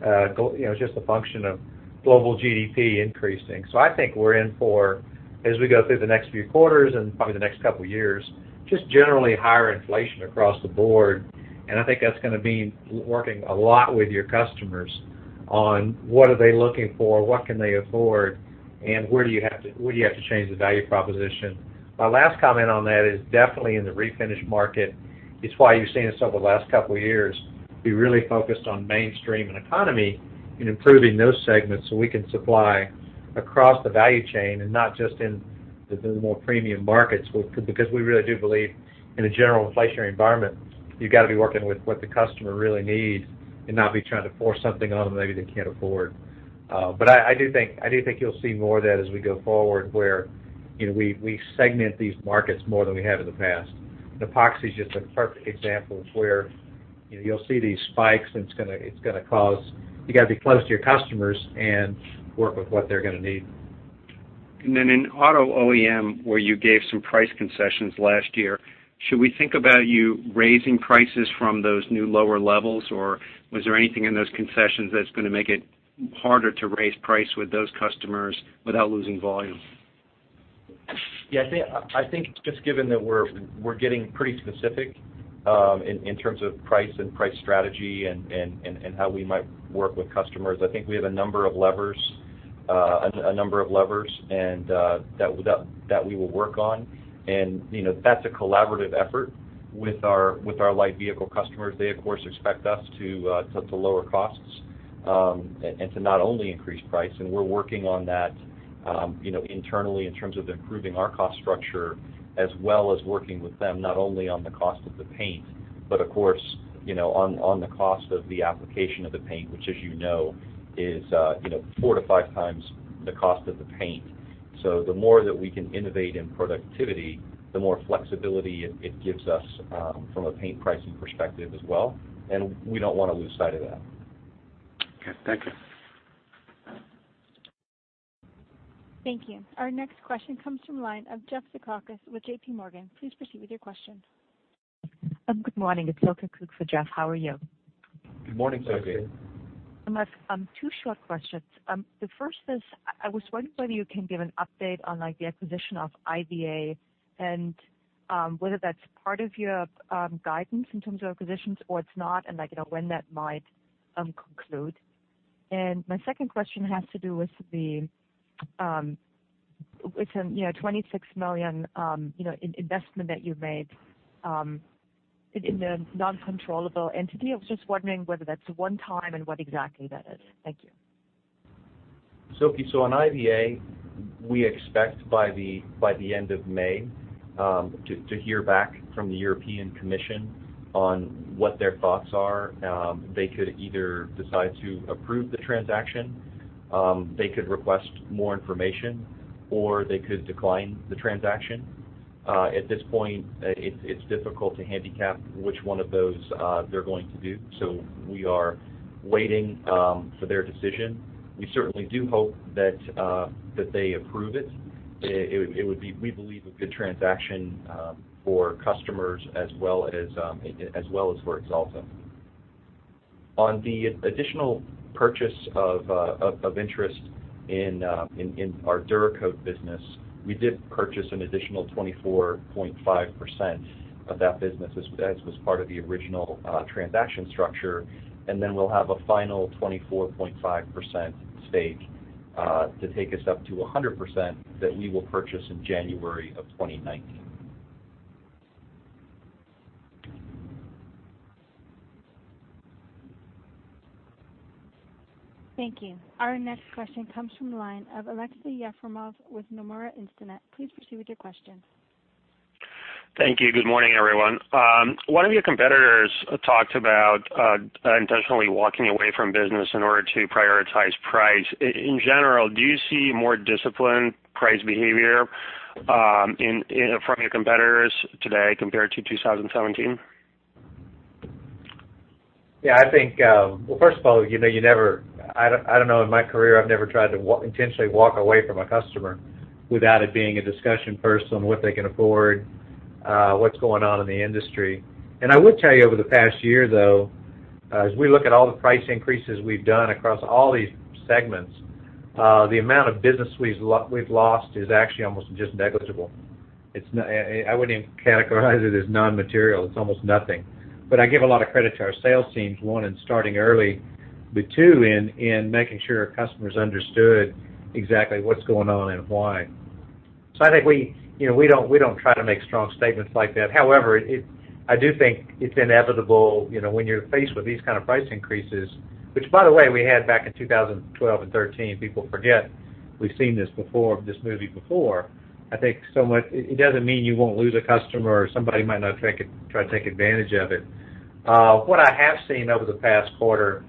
it's just a function of global GDP increasing. I think we're in for, as we go through the next few quarters and probably the next couple of years, just generally higher inflation across the board. I think that's going to mean working a lot with your customers on what are they looking for, what can they afford, and where do you have to change the value proposition. My last comment on that is definitely in the refinish market. It's why you've seen us over the last couple of years be really focused on mainstream and economy in improving those segments so we can supply across the value chain and not just in the more premium markets, because we really do believe in a general inflationary environment, you've got to be working with what the customer really needs and not be trying to force something on them maybe they can't afford. I do think you'll see more of that as we go forward where. We segment these markets more than we have in the past. Epoxy is just a perfect example of where you'll see these spikes, and you got to be close to your customers and work with what they're going to need. In auto OEM, where you gave some price concessions last year, should we think about you raising prices from those new lower levels, or was there anything in those concessions that's going to make it harder to raise price with those customers without losing volume? Yeah. I think just given that we're getting pretty specific in terms of price and price strategy and how we might work with customers, I think we have a number of levers that we will work on. That's a collaborative effort with our light vehicle customers. They, of course, expect us to lower costs, and to not only increase price. We're working on that internally in terms of improving our cost structure, as well as working with them, not only on the cost of the paint, but of course, on the cost of the application of the paint, which as you know, is four to five times the cost of the paint. The more that we can innovate in productivity, the more flexibility it gives us from a paint pricing perspective as well, and we don't want to lose sight of that. Okay. Thank you. Thank you. Our next question comes from the line of Jeff Zekauskas with J.P.Morgan. Please proceed with your question. Good morning. It's Silke Kuek for Jeff. How are you? Good morning, Silke. Good morning. I have two short questions. The first is, I was wondering whether you can give an update on the acquisition of IVA, and whether that's part of your guidance in terms of acquisitions or it's not, and when that might conclude. My second question has to do with the $26 million investment that you've made in the non-controllable entity. I was just wondering whether that's one-time and what exactly that is. Thank you. Silke, on IVA, we expect by the end of May to hear back from the European Commission on what their thoughts are. They could either decide to approve the transaction, they could request more information, or they could decline the transaction. At this point, it's difficult to handicap which one of those they're going to do. We are waiting for their decision. We certainly do hope that they approve it. It would be, we believe, a good transaction for customers as well as for Axalta. On the additional purchase of interest in our DuraCoat business, we did purchase an additional 24.5% of that business, as was part of the original transaction structure. Then we'll have a final 24.5% stake to take us up to 100% that we will purchase in January of 2019. Thank you. Our next question comes from the line of Aleksey Yefremov with Nomura Instinet. Please proceed with your question. Thank you. Good morning, everyone. One of your competitors talked about intentionally walking away from business in order to prioritize price. In general, do you see more disciplined price behavior from your competitors today compared to 2017? I don't know, in my career, I've never tried to intentionally walk away from a customer without it being a discussion first on what they can afford, what's going on in the industry. I would tell you over the past year, though, as we look at all the price increases we've done across all these segments, the amount of business we've lost is actually almost just negligible. I wouldn't even categorize it as non-material. It's almost nothing. I give a lot of credit to our sales teams, one, in starting early, but two, in making sure our customers understood exactly what's going on and why. I think we don't try to make strong statements like that. However, I do think it's inevitable when you're faced with these kind of price increases, which by the way, we had back in 2012 and 2013. People forget we've seen this movie before. It doesn't mean you won't lose a customer, or somebody might not try to take advantage of it. What I have seen over the past quarter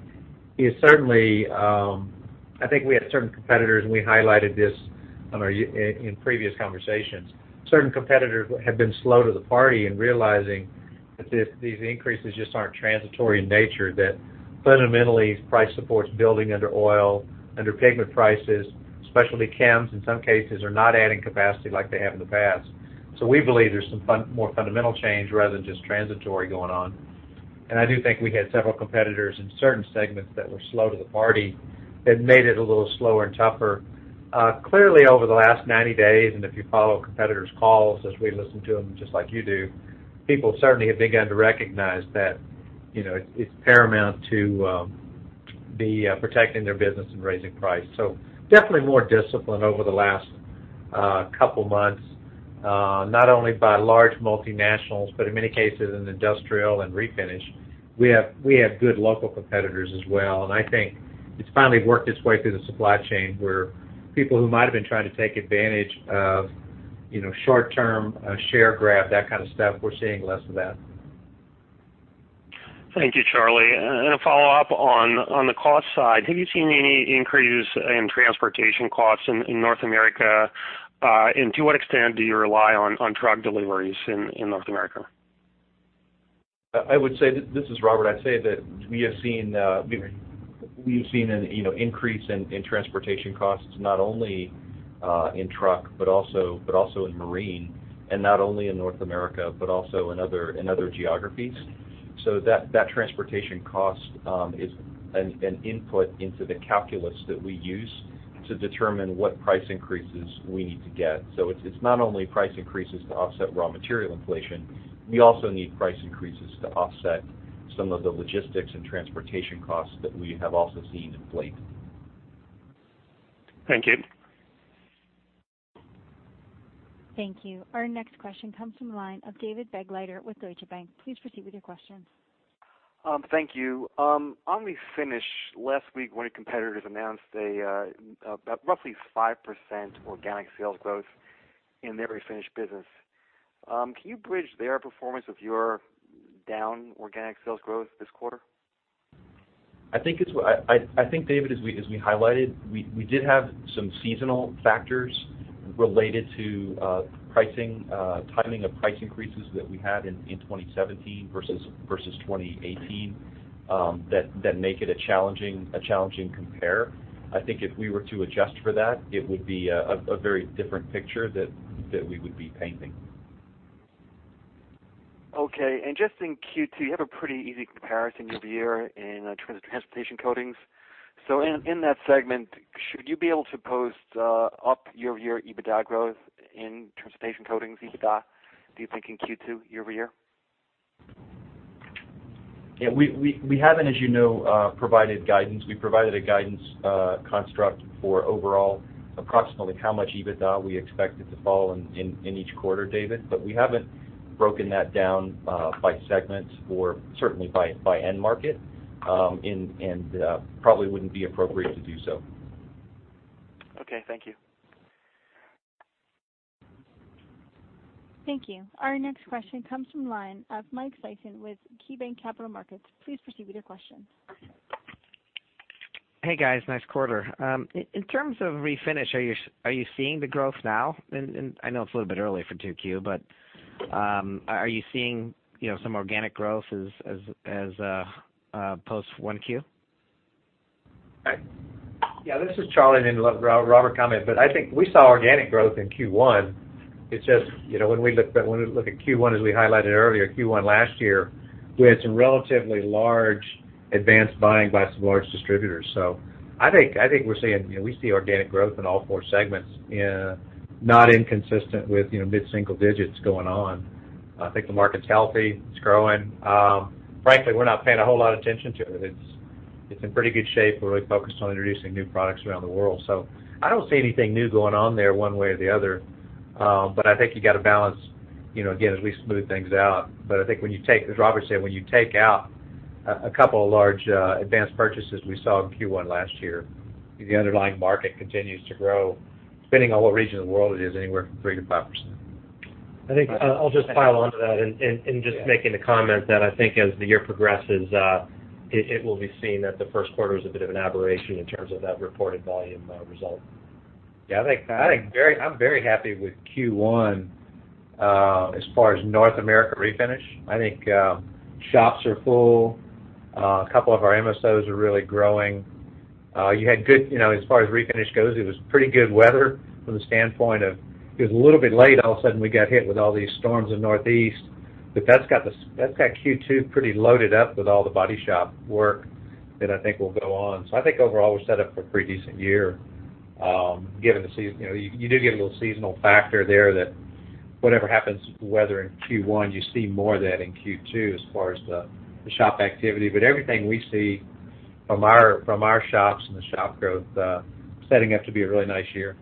is, I think we had certain competitors, and we highlighted this in previous conversations. Certain competitors have been slow to the party in realizing that these increases just aren't transitory in nature, that fundamentally, price support's building under oil, under pigment prices. Specialty chems, in some cases, are not adding capacity like they have in the past. We believe there's some more fundamental change rather than just transitory going on. I do think we had several competitors in certain segments that were slow to the party that made it a little slower and tougher. Clearly, over the last 90 days, if you follow competitors' calls as we listen to them just like you do, people certainly have begun to recognize that it's paramount to be protecting their business and raising price. Definitely more discipline over the last couple of months, not only by large multinationals, but in many cases in industrial and refinish. We have good local competitors as well, I think it's finally worked its way through the supply chain where people who might have been trying to take advantage of short-term share grab, that kind of stuff, we're seeing less of that. Thank you, Charlie. A follow-up on the cost side, have you seen any increase in transportation costs in North America? To what extent do you rely on truck deliveries in North America? This is Robert. I'd say that we have seen an increase in transportation costs, not only in truck, but also in marine, and not only in North America, but also in other geographies. That transportation cost is an input into the calculus that we use to determine what price increases we need to get. It's not only price increases to offset raw material inflation, we also need price increases to offset some of the logistics and transportation costs that we have also seen inflate. Thank you. Thank you. Our next question comes from the line of David Begleiter with Deutsche Bank. Please proceed with your questions. Thank you. On refinish, last week, one of your competitors announced a roughly 5% organic sales growth in their refinish business. Can you bridge their performance with your down organic sales growth this quarter? I think, David, as we highlighted, we did have some seasonal factors related to timing of price increases that we had in 2017 versus 2018, that make it a challenging compare. I think if we were to adjust for that, it would be a very different picture that we would be painting. Okay. Just in Q2, you have a pretty easy comparison year in transportation coatings. In that segment, should you be able to post up year-over-year EBITDA growth in transportation coatings, EBITDA, do you think in Q2 year-over-year? Yeah. We haven't, as you know, provided guidance. We provided a guidance construct for overall approximately how much EBITDA we expected to fall in each quarter, David, we haven't broken that down by segments or certainly by end market, probably wouldn't be appropriate to do so. Okay. Thank you. Thank you. Our next question comes from the line of Michael Sison with KeyBanc Capital Markets. Please proceed with your question. Hey, guys. Nice quarter. In terms of refinish, I know it's a little bit early for 2Q, but are you seeing some organic growth as post 1Q? Yeah. This is Charlie, and then let Robert comment. I think we saw organic growth in Q1. It's just, when we look at Q1, as we highlighted earlier, Q1 last year, we had some relatively large advanced buying by some large distributors. I think we're seeing organic growth in all four segments, not inconsistent with mid-single digits going on. I think the market's healthy. It's growing. Frankly, we're not paying a whole lot of attention to it. It's in pretty good shape. We're really focused on introducing new products around the world. I don't see anything new going on there one way or the other. I think you've got to balance, again, as we smooth things out. I think as Robert Bryant said, when you take out a couple of large advanced purchases we saw in Q1 last year, the underlying market continues to grow, depending on what region of the world it is, anywhere from 3%-5%. I think I'll just pile onto that and just making the comment that I think as the year progresses, it will be seen that the first quarter was a bit of an aberration in terms of that reported volume result. Yeah. I'm very happy with Q1 as far as North America Refinish. I think shops are full. A couple of our MSOs are really growing. As far as refinish goes, it was pretty good weather from the standpoint of, it was a little bit late. All of a sudden, we got hit with all these storms in the Northeast. That's got Q2 pretty loaded up with all the body shop work that I think will go on. I think overall, we're set up for a pretty decent year. You do get a little seasonal factor there that whatever happens weather in Q1, you see more of that in Q2 as far as the shop activity. Everything we see from our shops and the shop growth, setting up to be a really nice year.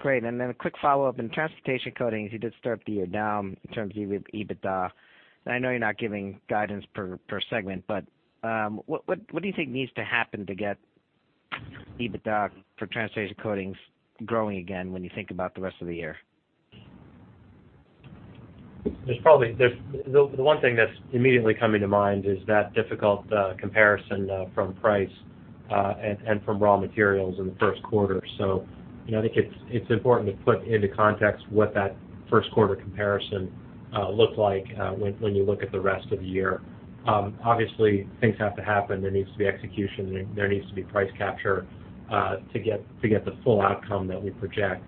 Great. Then a quick follow-up. In transportation coatings, you did start the year down in terms of EBITDA. I know you're not giving guidance per segment, but what do you think needs to happen to get EBITDA for transportation coatings growing again when you think about the rest of the year? The one thing that's immediately coming to mind is that difficult comparison from price, and from raw materials in the first quarter. I think it's important to put into context what that first quarter comparison looked like when you look at the rest of the year. Obviously, things have to happen. There needs to be execution, there needs to be price capture, to get the full outcome that we project.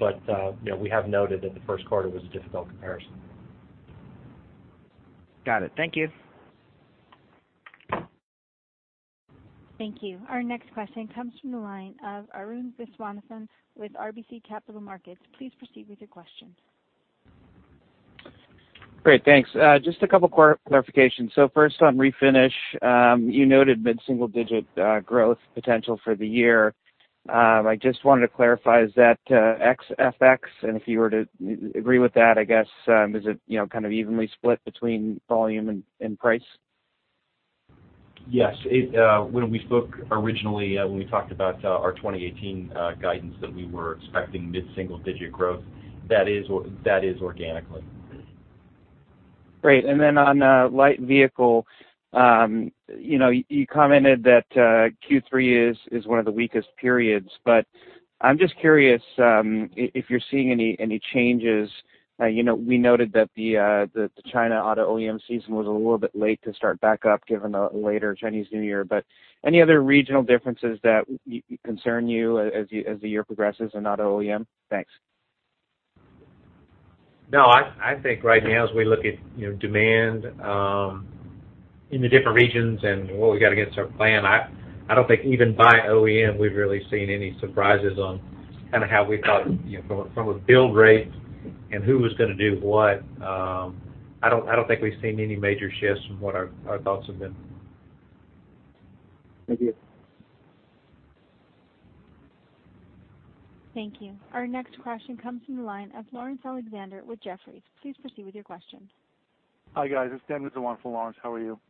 We have noted that the first quarter was a difficult comparison. Got it. Thank you. Thank you. Our next question comes from the line of Arun Viswanathan with RBC Capital Markets. Please proceed with your question. Great. Thanks. Just a couple clarifications. First on Refinish, you noted mid-single digit growth potential for the year. I just wanted to clarify, is that ex-FX? And if you were to agree with that, I guess, is it kind of evenly split between volume and price? Yes. When we spoke originally, when we talked about our 2018 guidance that we were expecting mid-single-digit growth, that is organically. Great. On light vehicle, you commented that Q3 is one of the weakest periods, but I'm just curious if you're seeing any changes. We noted that the China auto OEM season was a little bit late to start back up given the later Chinese New Year. Any other regional differences that concern you as the year progresses in auto OEM? Thanks. No, I think right now as we look at demand in the different regions and what we got against our plan, I don't think even by OEM we've really seen any surprises on kind of how we thought from a build rate and who was going to do what. I don't think we've seen any major shifts from what our thoughts have been. Thank you. Thank you. Our next question comes from the line of Laurence Alexander with Jefferies. Please proceed with your question. Hi, guys. It's Dan with the line for Laurence. How are you?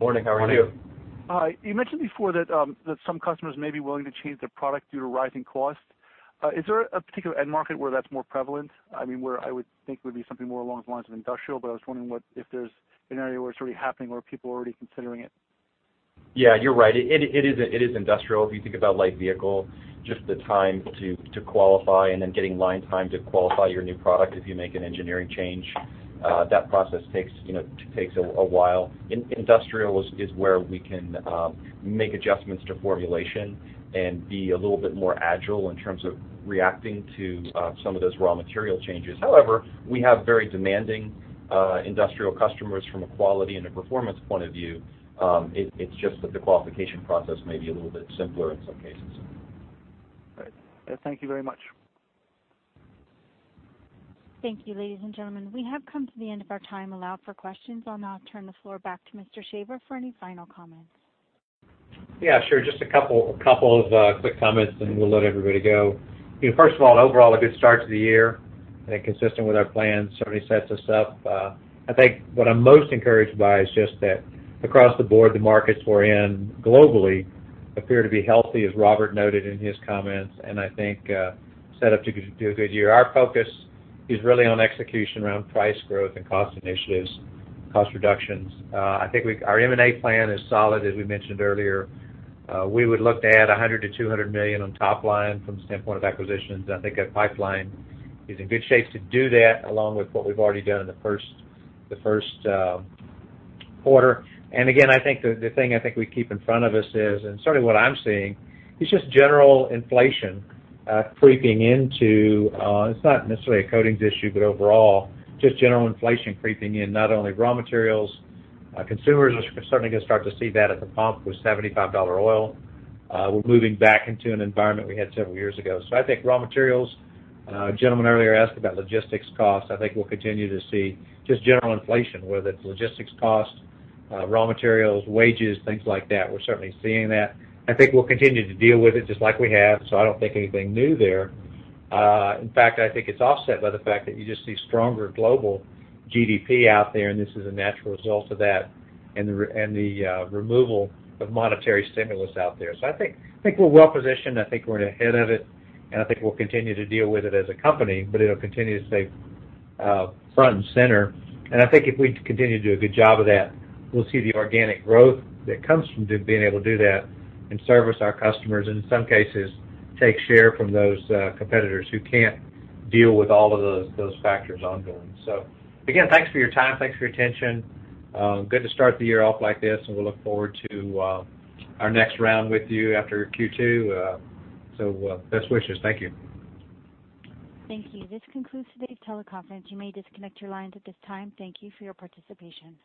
Morning. How are you? Morning. Hi. You mentioned before that some customers may be willing to change their product due to rising costs. Is there a particular end market where that's more prevalent? I would think it would be something more along the lines of industrial, but I was wondering if there's an area where it's already happening or people are already considering it. Yeah, you're right. It is industrial. If you think about light vehicle, just the time to qualify and then getting line time to qualify your new product if you make an engineering change, that process takes a while. Industrial is where we can make adjustments to formulation and be a little bit more agile in terms of reacting to some of those raw material changes. However, we have very demanding industrial customers from a quality and a performance point of view. It's just that the qualification process may be a little bit simpler in some cases. Great. Thank you very much. Thank you, ladies and gentlemen. We have come to the end of our time allowed for questions. I'll now turn the floor back to Mr. Shaver for any final comments. Yeah, sure. Just a couple of quick comments and we'll let everybody go. First of all, overall a good start to the year and consistent with our plans, certainly sets us up. I think what I'm most encouraged by is just that across the board, the markets we're in globally appear to be healthy, as Robert noted in his comments, and I think set up to do a good year. Our focus is really on execution around price growth and cost initiatives, cost reductions. I think our M&A plan is solid, as we mentioned earlier. We would look to add $100 million-$200 million on top line from the standpoint of acquisitions. I think that pipeline is in good shape to do that, along with what we've already done in the first quarter. The thing I think we keep in front of us is, and certainly what I'm seeing, is just general inflation creeping into, it's not necessarily a coatings issue, but overall just general inflation creeping in, not only raw materials. Consumers are certainly going to start to see that at the pump with $75 oil. We're moving back into an environment we had several years ago. I think raw materials. A gentleman earlier asked about logistics costs. I think we'll continue to see just general inflation, whether it's logistics costs, raw materials, wages, things like that. We're certainly seeing that. I think we'll continue to deal with it just like we have. I don't think anything new there. In fact, I think it's offset by the fact that you just see stronger global GDP out there, and this is a natural result of that and the removal of monetary stimulus out there. I think we're well positioned. I think we're ahead of it, and I think we'll continue to deal with it as a company, but it'll continue to stay front and center. I think if we continue to do a good job of that, we'll see the organic growth that comes from being able to do that and service our customers, in some cases, take share from those competitors who can't deal with all of those factors ongoing. Again, thanks for your time. Thanks for your attention. Good to start the year off like this, and we'll look forward to our next round with you after Q2. Best wishes. Thank you. Thank you. This concludes today's teleconference. You may disconnect your lines at this time. Thank you for your participation.